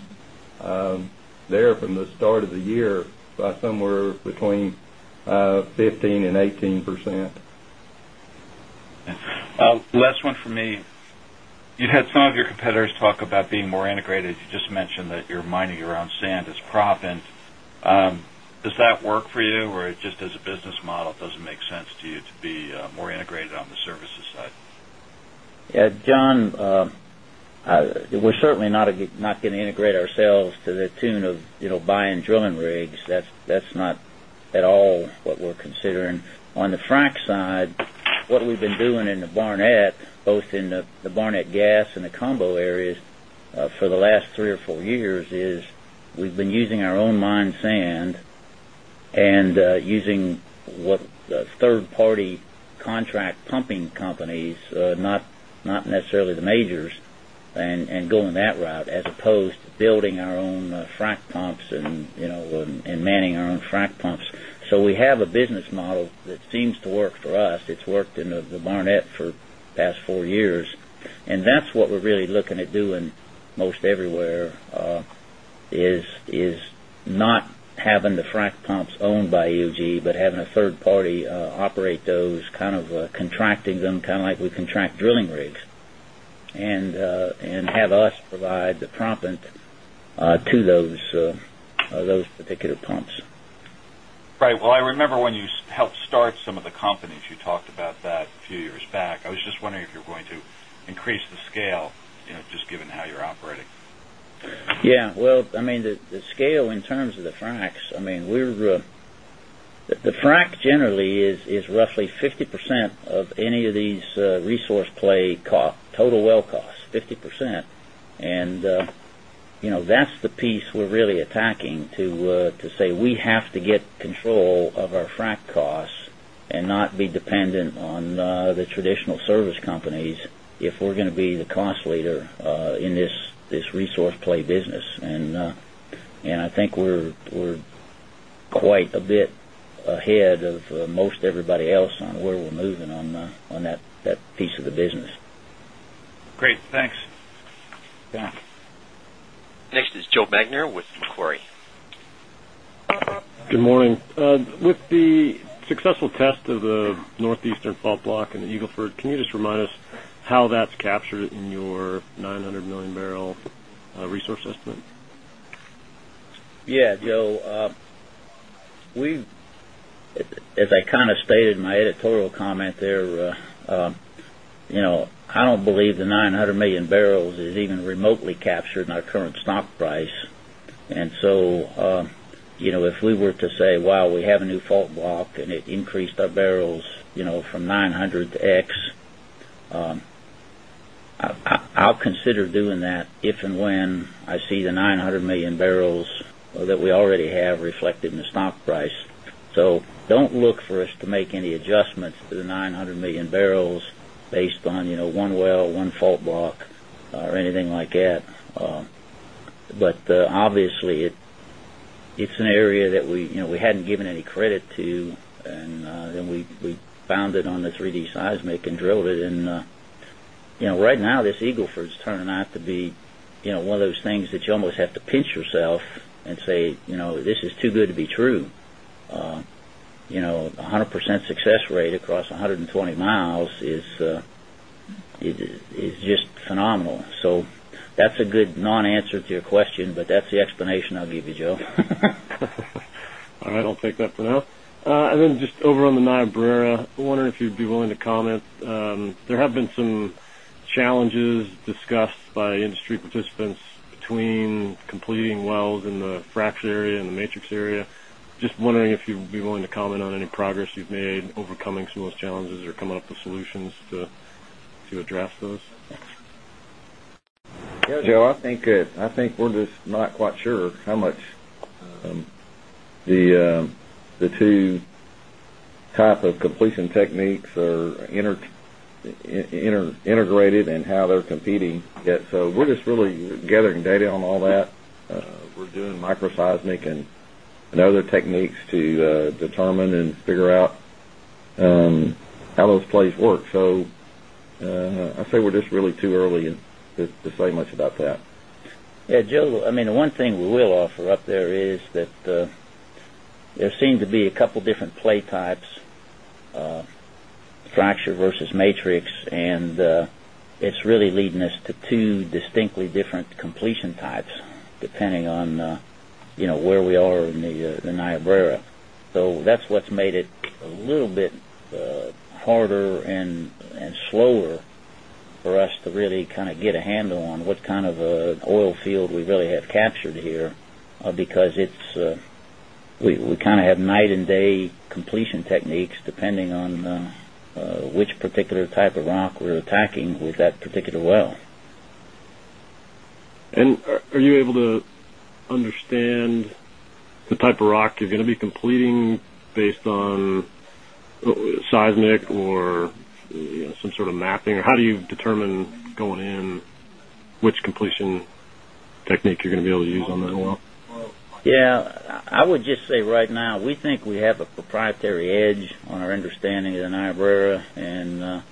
there from the start of the year by somewhere between 15%-18%. Last one from me. You've had some of your competitors talk about being more integrated. You just mentioned that you're mining your own sand as profit. Does that work for you, or just as a business model, does it make sense to you to be more integrated on the services side? Yeah, John, we're certainly not going to integrate ourselves to the tune of buying and drilling rigs. That's not at all what we're considering. On the frac side, what we've been doing in the Barnett, both in the Barnett gas and the combo areas for the last three or four years, is we've been using our own line sand and using third-party contract pumping companies, not necessarily the majors, and going that route as opposed to building our own frac pumps and manning our own frac pumps. We have a business model that seems to work for us. It's worked in the Barnett for the past four years. That's what we're really looking at doing most everywhere, not having the frac pumps owned by EOG, but having a third party operate those, kind of contracting them, kind of like we contract drilling rigs, and have us provide the profit to those particular pumps. I remember when you helped start some of the companies, you talked about that a few years back. I was just wondering if you're going to increase the scale, you know, just given how you're operating. The scale in terms of the fracs, the frac generally is roughly 50% of any of these resource play costs, total well costs, 50%. That's the piece we're really attacking to say we have to get control of our frac costs and not be dependent on the traditional service companies if we're going to be the cost leader in this resource play business. I think we're quite a bit ahead of most everybody else on where we're moving on that piece of the business. Great, thanks. Next is Joe Magner with Macquarie. Good morning. With the successful test of the northeastern fault block in the Eagle Ford, can you just remind us how that's captured in your 900 million bbl resource estimate? Yeah, Joe, as I kind of stated in my editorial comment there, I don't believe the 900 million bbl is even remotely captured in our current stock price. If we were to say, wow, we have a new fault block and it increased our barrel, you know, from 900 to X, I'll consider doing that if and when I see the 900 million bbl that we already have reflected in the stock price. Do not look for us to make any adjustments to the 900 million bbl based on one well, one fault block, or anything like that. Obviously, it's an area that we hadn't given any credit to, and then we found it on the 3D seismic and drilled it. Right now, this Eagle Ford is turning out to be one of those things that you almost have to pinch yourself and say this is too good to be true. A 100% success rate across 120 mi is just phenomenal. That's a good non-answer to your question, but that's the explanation I'll give you, Joe. All right, I'll take that for now. Just over on the Niobrara, I'm wondering if you'd be willing to comment. There have been some challenges discussed by industry participants between completing wells in the fracture area and the matrix area. Just wondering if you'd be willing to comment on any progress you've made overcoming some of those challenges or coming up with solutions to address those. Yeah, Joe, I think we're just not quite sure how much the two types of completion techniques are integrated and how they're competing. We're just really gathering data on all that. We're doing micro seismic and other techniques to determine and figure out how those plays work. I'd say we're just really too early to say much about that. Yeah, Joe, the one thing we will offer up there is that there seem to be a couple of different play types, fracture versus matrix, and it's really leading us to two distinctly different completion types depending on, you know, where we are in the Niobrara. That's what's made it a little bit harder and slower for us to really kind of get a handle on what kind of an oil field we really have captured here because we kind of have night and day completion techniques depending on which particular type of rock we're attacking with that particular well. Are you able to understand the type of rock you're going to be completing based on seismic or some sort of mapping? How do you determine going in which completion technique you're going to be able to use on that well? I would just say right now, we think we have a proprietary edge on our understanding of the Niobrara, and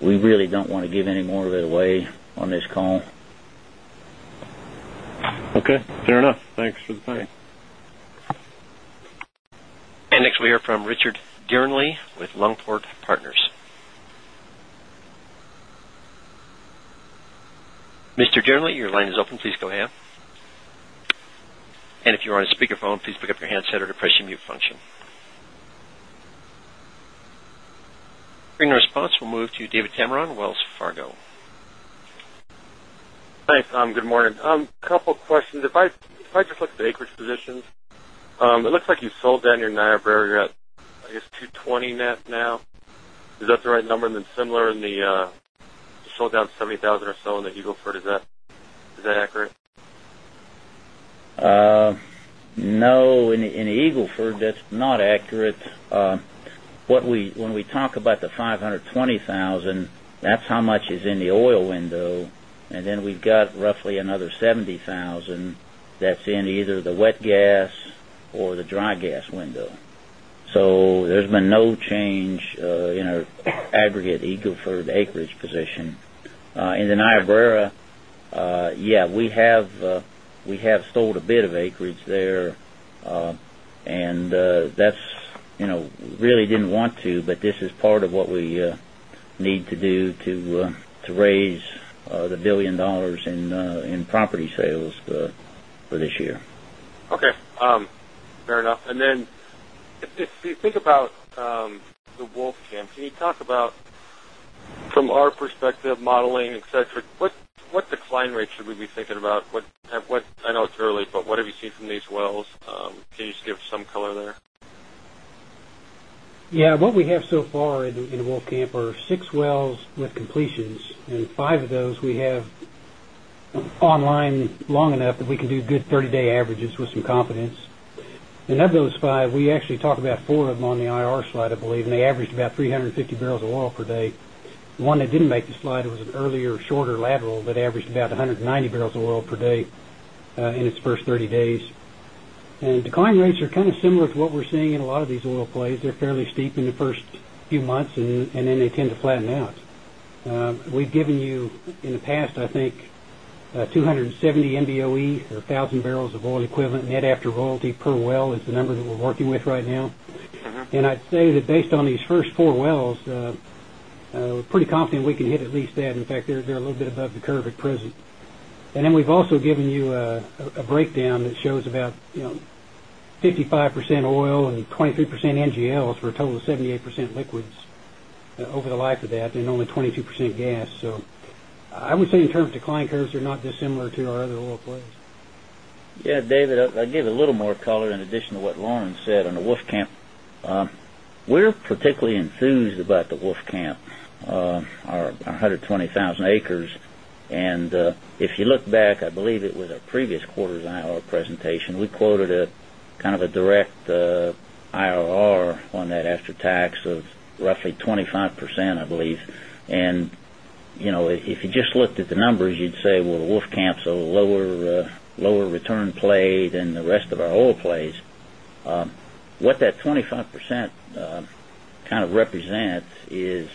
we really don't want to give any more of it away on this call. Okay, fair enough. Thanks for the time. Next, we hear from Richard Durnley with Longport Partners. Mr. Durnley, your line is open. Please go ahead. If you're on a speakerphone, please pick up your handset or depress your mute function. Following our response, we will move to David Tameron, Wells Fargo. Thanks, Tom. Good morning. A couple of questions. If I just look at the acreage positions, it looks like you sold down your Niobrara. You're at, I guess, 220 net now. Is that the right number? Then similar in the, you sold down 70,000 or so in the Eagle Ford. Is that accurate? No, in the Eagle Ford, that's not accurate. When we talk about the 520,000, that's how much is in the oil window. We've got roughly another 70,000 that's in either the wet gas or the dry gas window. There's been no change in our aggregate Eagle Ford acreage position. In the Niobrara, yeah, we have sold a bit of acreage there. That's, you know, really didn't want to, but this is part of what we need to do to raise the $1 billion in property sales for this year. Okay, fair enough. If you think about the Wolfcamp, can you talk about, from our perspective, modeling, etc., what decline rate should we be thinking about? I know it's early, but what have you seen from these wells? Can you just give some color there? Yeah, what we have so far in the Wolfcamp are six wells with completions, and five of those we have online long enough that we can do good 30-day averages with some confidence. Of those five, we actually talked about four of them on the IR slide, I believe, and they averaged about 350 bbl of oil per day. The one that didn't make the slide was an earlier shorter lateral that averaged about 190 bbl of oil per day in its first 30 days. Decline rates are kind of similar to what we're seeing in a lot of these oil plays. They're fairly steep in the first few months, and then they tend to flatten out. We've given you, in the past, I think, 270 MBOE or 1,000 bbl of oil equivalent net after royalty per well is the number that we're working with right now. I'd say that based on these first four wells, we're pretty confident we can hit at least that. In fact, they're a little bit above the curve at present. We've also given you a breakdown that shows about 55% oil and 23% NGLs for a total of 78% liquids over the life of that and only 23% gas. I would say in terms of decline curves, they're not dissimilar to our other oil plays. Yeah, David, I'll give a little more color in addition to what Loren said on the Wolfcamp. We're particularly enthused about the Wolfcamp, our 120,000 acres. If you look back, I believe it was our previous quarter's IRR presentation, we quoted a kind of a direct IRR on that after tax of roughly 25%, I believe. If you just looked at the numbers, you'd say the Wolfcamp is a lower return play than the rest of our oil plays. What that 25% kind of represents is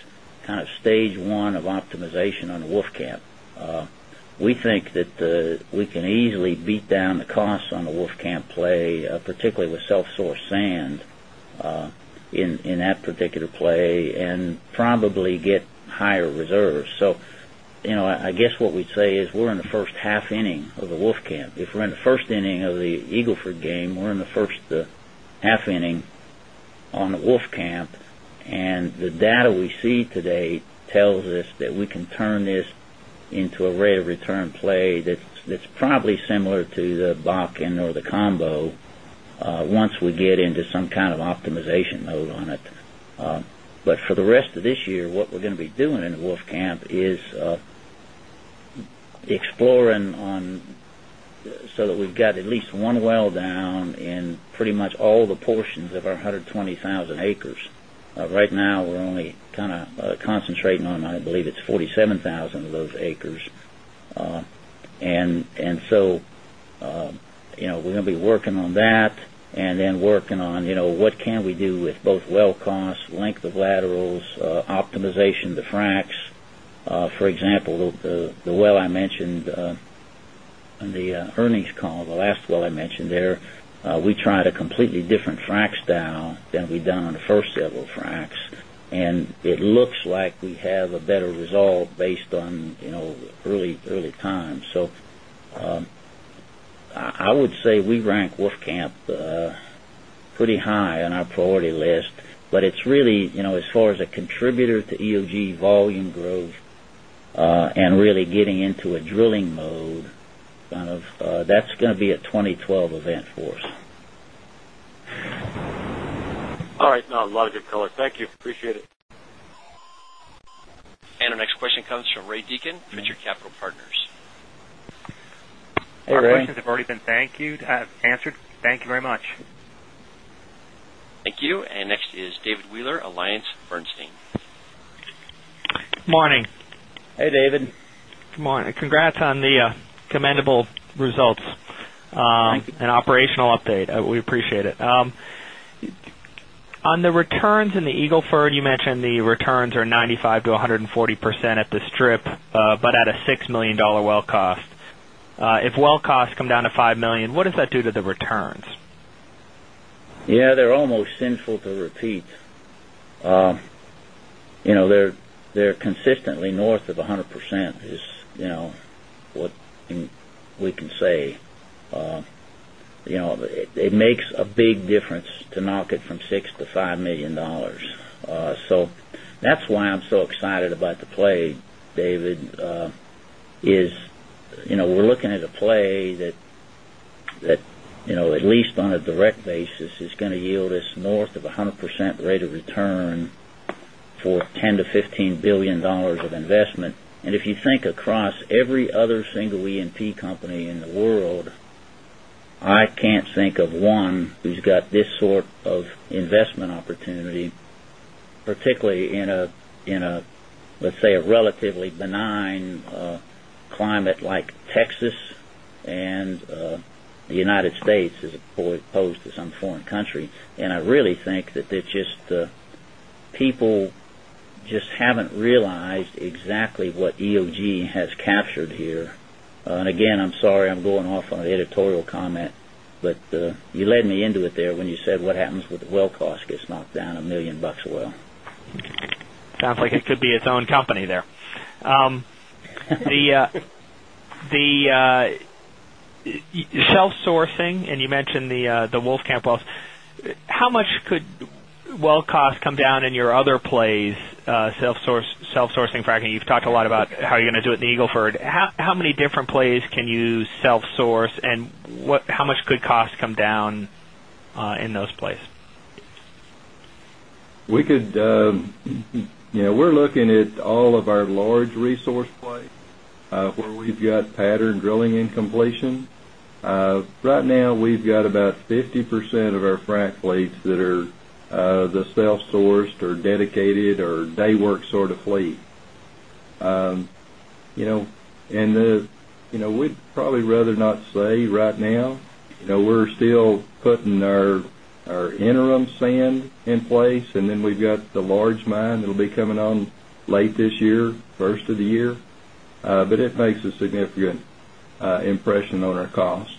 stage one of optimization on the Wolfcamp. We think that we can easily beat down the costs on the Wolfcamp play, particularly with self-sourced sand in that particular play, and probably get higher reserves. I guess what we'd say is we're in the first half inning of the Wolfcamp. If we're in the first inning of the Eagle Ford game, we're in the first half inning on the Wolfcamp. The data we see today tells us that we can turn this into a rate of return play that's probably similar to the Bakken or the Combo once we get into some kind of optimization mode on it. For the rest of this year, what we're going to be doing in the Wolfcamp is exploring so that we've got at least one well down in pretty much all the portions of our 120,000 acres. Right now, we're only kind of concentrating on, I believe, it's 47,000 of those acres. We're going to be working on that and then working on what can we do with both well costs, length of laterals, optimization to fracs. For example, the well I mentioned in the earnings call, the last well I mentioned there, we tried a completely different frac style than we'd done on the first several fracs. It looks like we have a better result based on early times. I would say we rank Wolfcamp pretty high on our priority list. It's really, as far as a contributor to EOG volume growth and really getting into a drilling mode, that's going to be a 2012 event for us. All right, no, a lot of good color. Thank you. Appreciate it. Our next question comes from Ray Deacon, Pritchard Capital Partners. The questions have already been answered. Thank you very much. Thank you. Next is David Wheeler, AllianceBernstein. Morning. Hey David. Congrats on the commendable results and operational update. We appreciate it. On the returns in the Eagle Ford, you mentioned the returns are 95%-140% at the strip, but at a $6 million well cost. If well costs come down to $5 million, what does that do to the returns? Yeah, they're almost sinful to repeat. You know, they're consistently north of 100%, is, you know, what we can say. It makes a big difference to knock it from $6 million-$5 million. That's why I'm so excited about the play, David, is, you know, we're looking at a play that, at least on a direct basis, is going to yield us north of 100% rate of return for $10 billion-$15 billion of investment. If you think across every other single E&P company in the world, I can't think of one who's got this sort of investment opportunity, particularly in a, let's say, a relatively benign climate like Texas and the United States as opposed to some foreign country. I really think that people just haven't realized exactly what EOG has captured here. Again, I'm sorry, I'm going off on an editorial comment, but you led me into it there when you said what happens with the well cost gets knocked down $1 million a well. Sounds like it could be its own company there. The self-sourcing, and you mentioned the Wolfcamp wells, how much could well cost come down in your other plays, self-sourcing fracking? You've talked a lot about how you're going to do it in the Eagle Ford. How many different plays can you self-source, and how much could cost come down in those plays? We could, yeah, we're looking at all of our large resource play where we've got pattern drilling and completion. Right now, we've got about 50% of our frac fleets that are the self-sourced or dedicated or daywork sort of fleet. You know, and you we'd probably rather not say right now. We're still putting our interim fan in place, and then we've got the large mine that'll be coming on late this year, first of the year. It makes a significant impression on our cost.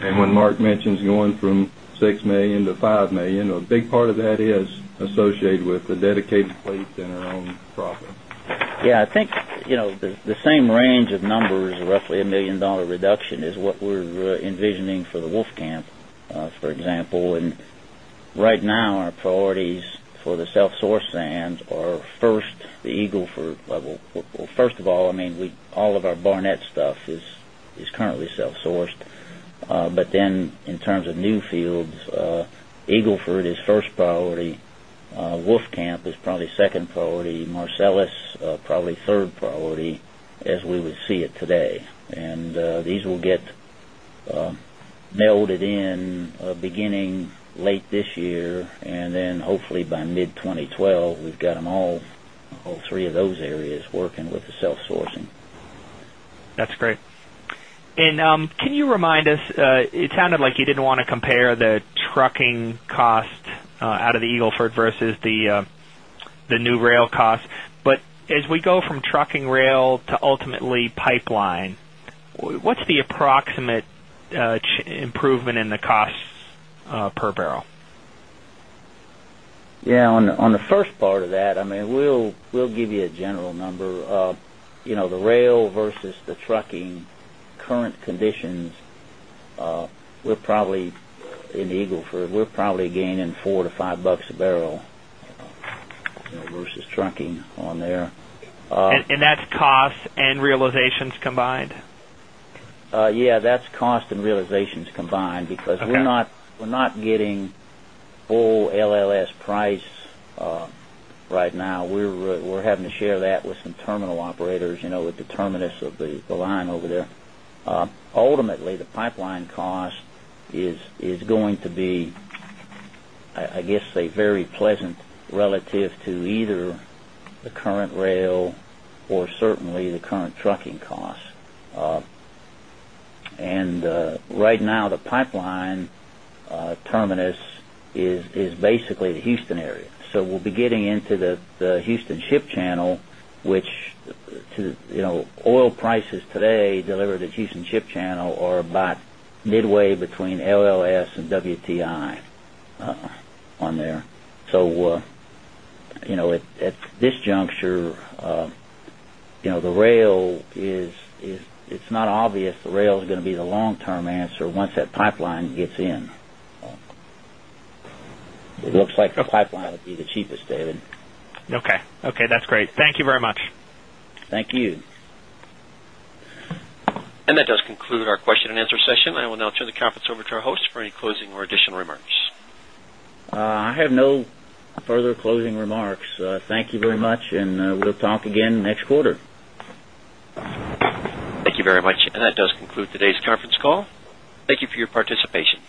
When Mark mentions going from $6 million-$5 million, a big part of that is associated with the dedicated fleet and our own profit. Yeah, I think the same range of numbers, roughly a $1 million reduction, is what we're envisioning for the Wolfcamp, for example. Right now, our priorities for the self-sourced sand are first the Eagle Ford level. First of all, all of our Barnett stuff is currently self-sourced. In terms of new fields, Eagle Ford is first priority. Wolfcamp is probably second priority. Marcellus, probably third priority as we would see it today. These will get melded in beginning late this year, and hopefully by mid-2012, we've got them all, all three of those areas working with the self-sourcing. That's great. Can you remind us, it sounded like you didn't want to compare the trucking cost out of the Eagle Ford versus the new rail cost. As we go from trucking, rail to ultimately pipeline, what's the approximate improvement in the cost per barrel? Yeah, on the first part of that, I mean, we'll give you a general number. You know, the rail versus the trucking current conditions, we're probably in the Eagle Ford, we're probably gaining $4-$5 a barrel, you know, versus trucking on there. Is that cost and realizations combined? Yeah, that's cost and realizations combined because we're not getting full LLS price right now. We're having to share that with some terminal operators, you know, with the terminus of the line over there. Ultimately, the pipeline cost is going to be, I guess, very pleasant relative to either the current rail or certainly the current trucking cost. Right now, the pipeline terminus is basically the Houston area. We'll be getting into the Houston Ship Channel, which, you know, oil prices today delivered at Houston Ship Channel are about midway between LLS and WTI on there. At this juncture, the rail is not obvious as the long-term answer once that pipeline gets in. It looks like the pipeline would be the cheapest, David. Okay. That's great. Thank you very much. Thank you. That does conclude our question and answer session. I will now turn the conference over to our host for any closing or additional remarks. I have no further closing remarks. Thank you very much, and we'll talk again next quarter. Thank you very much. That does conclude today's conference call. Thank you for your participation.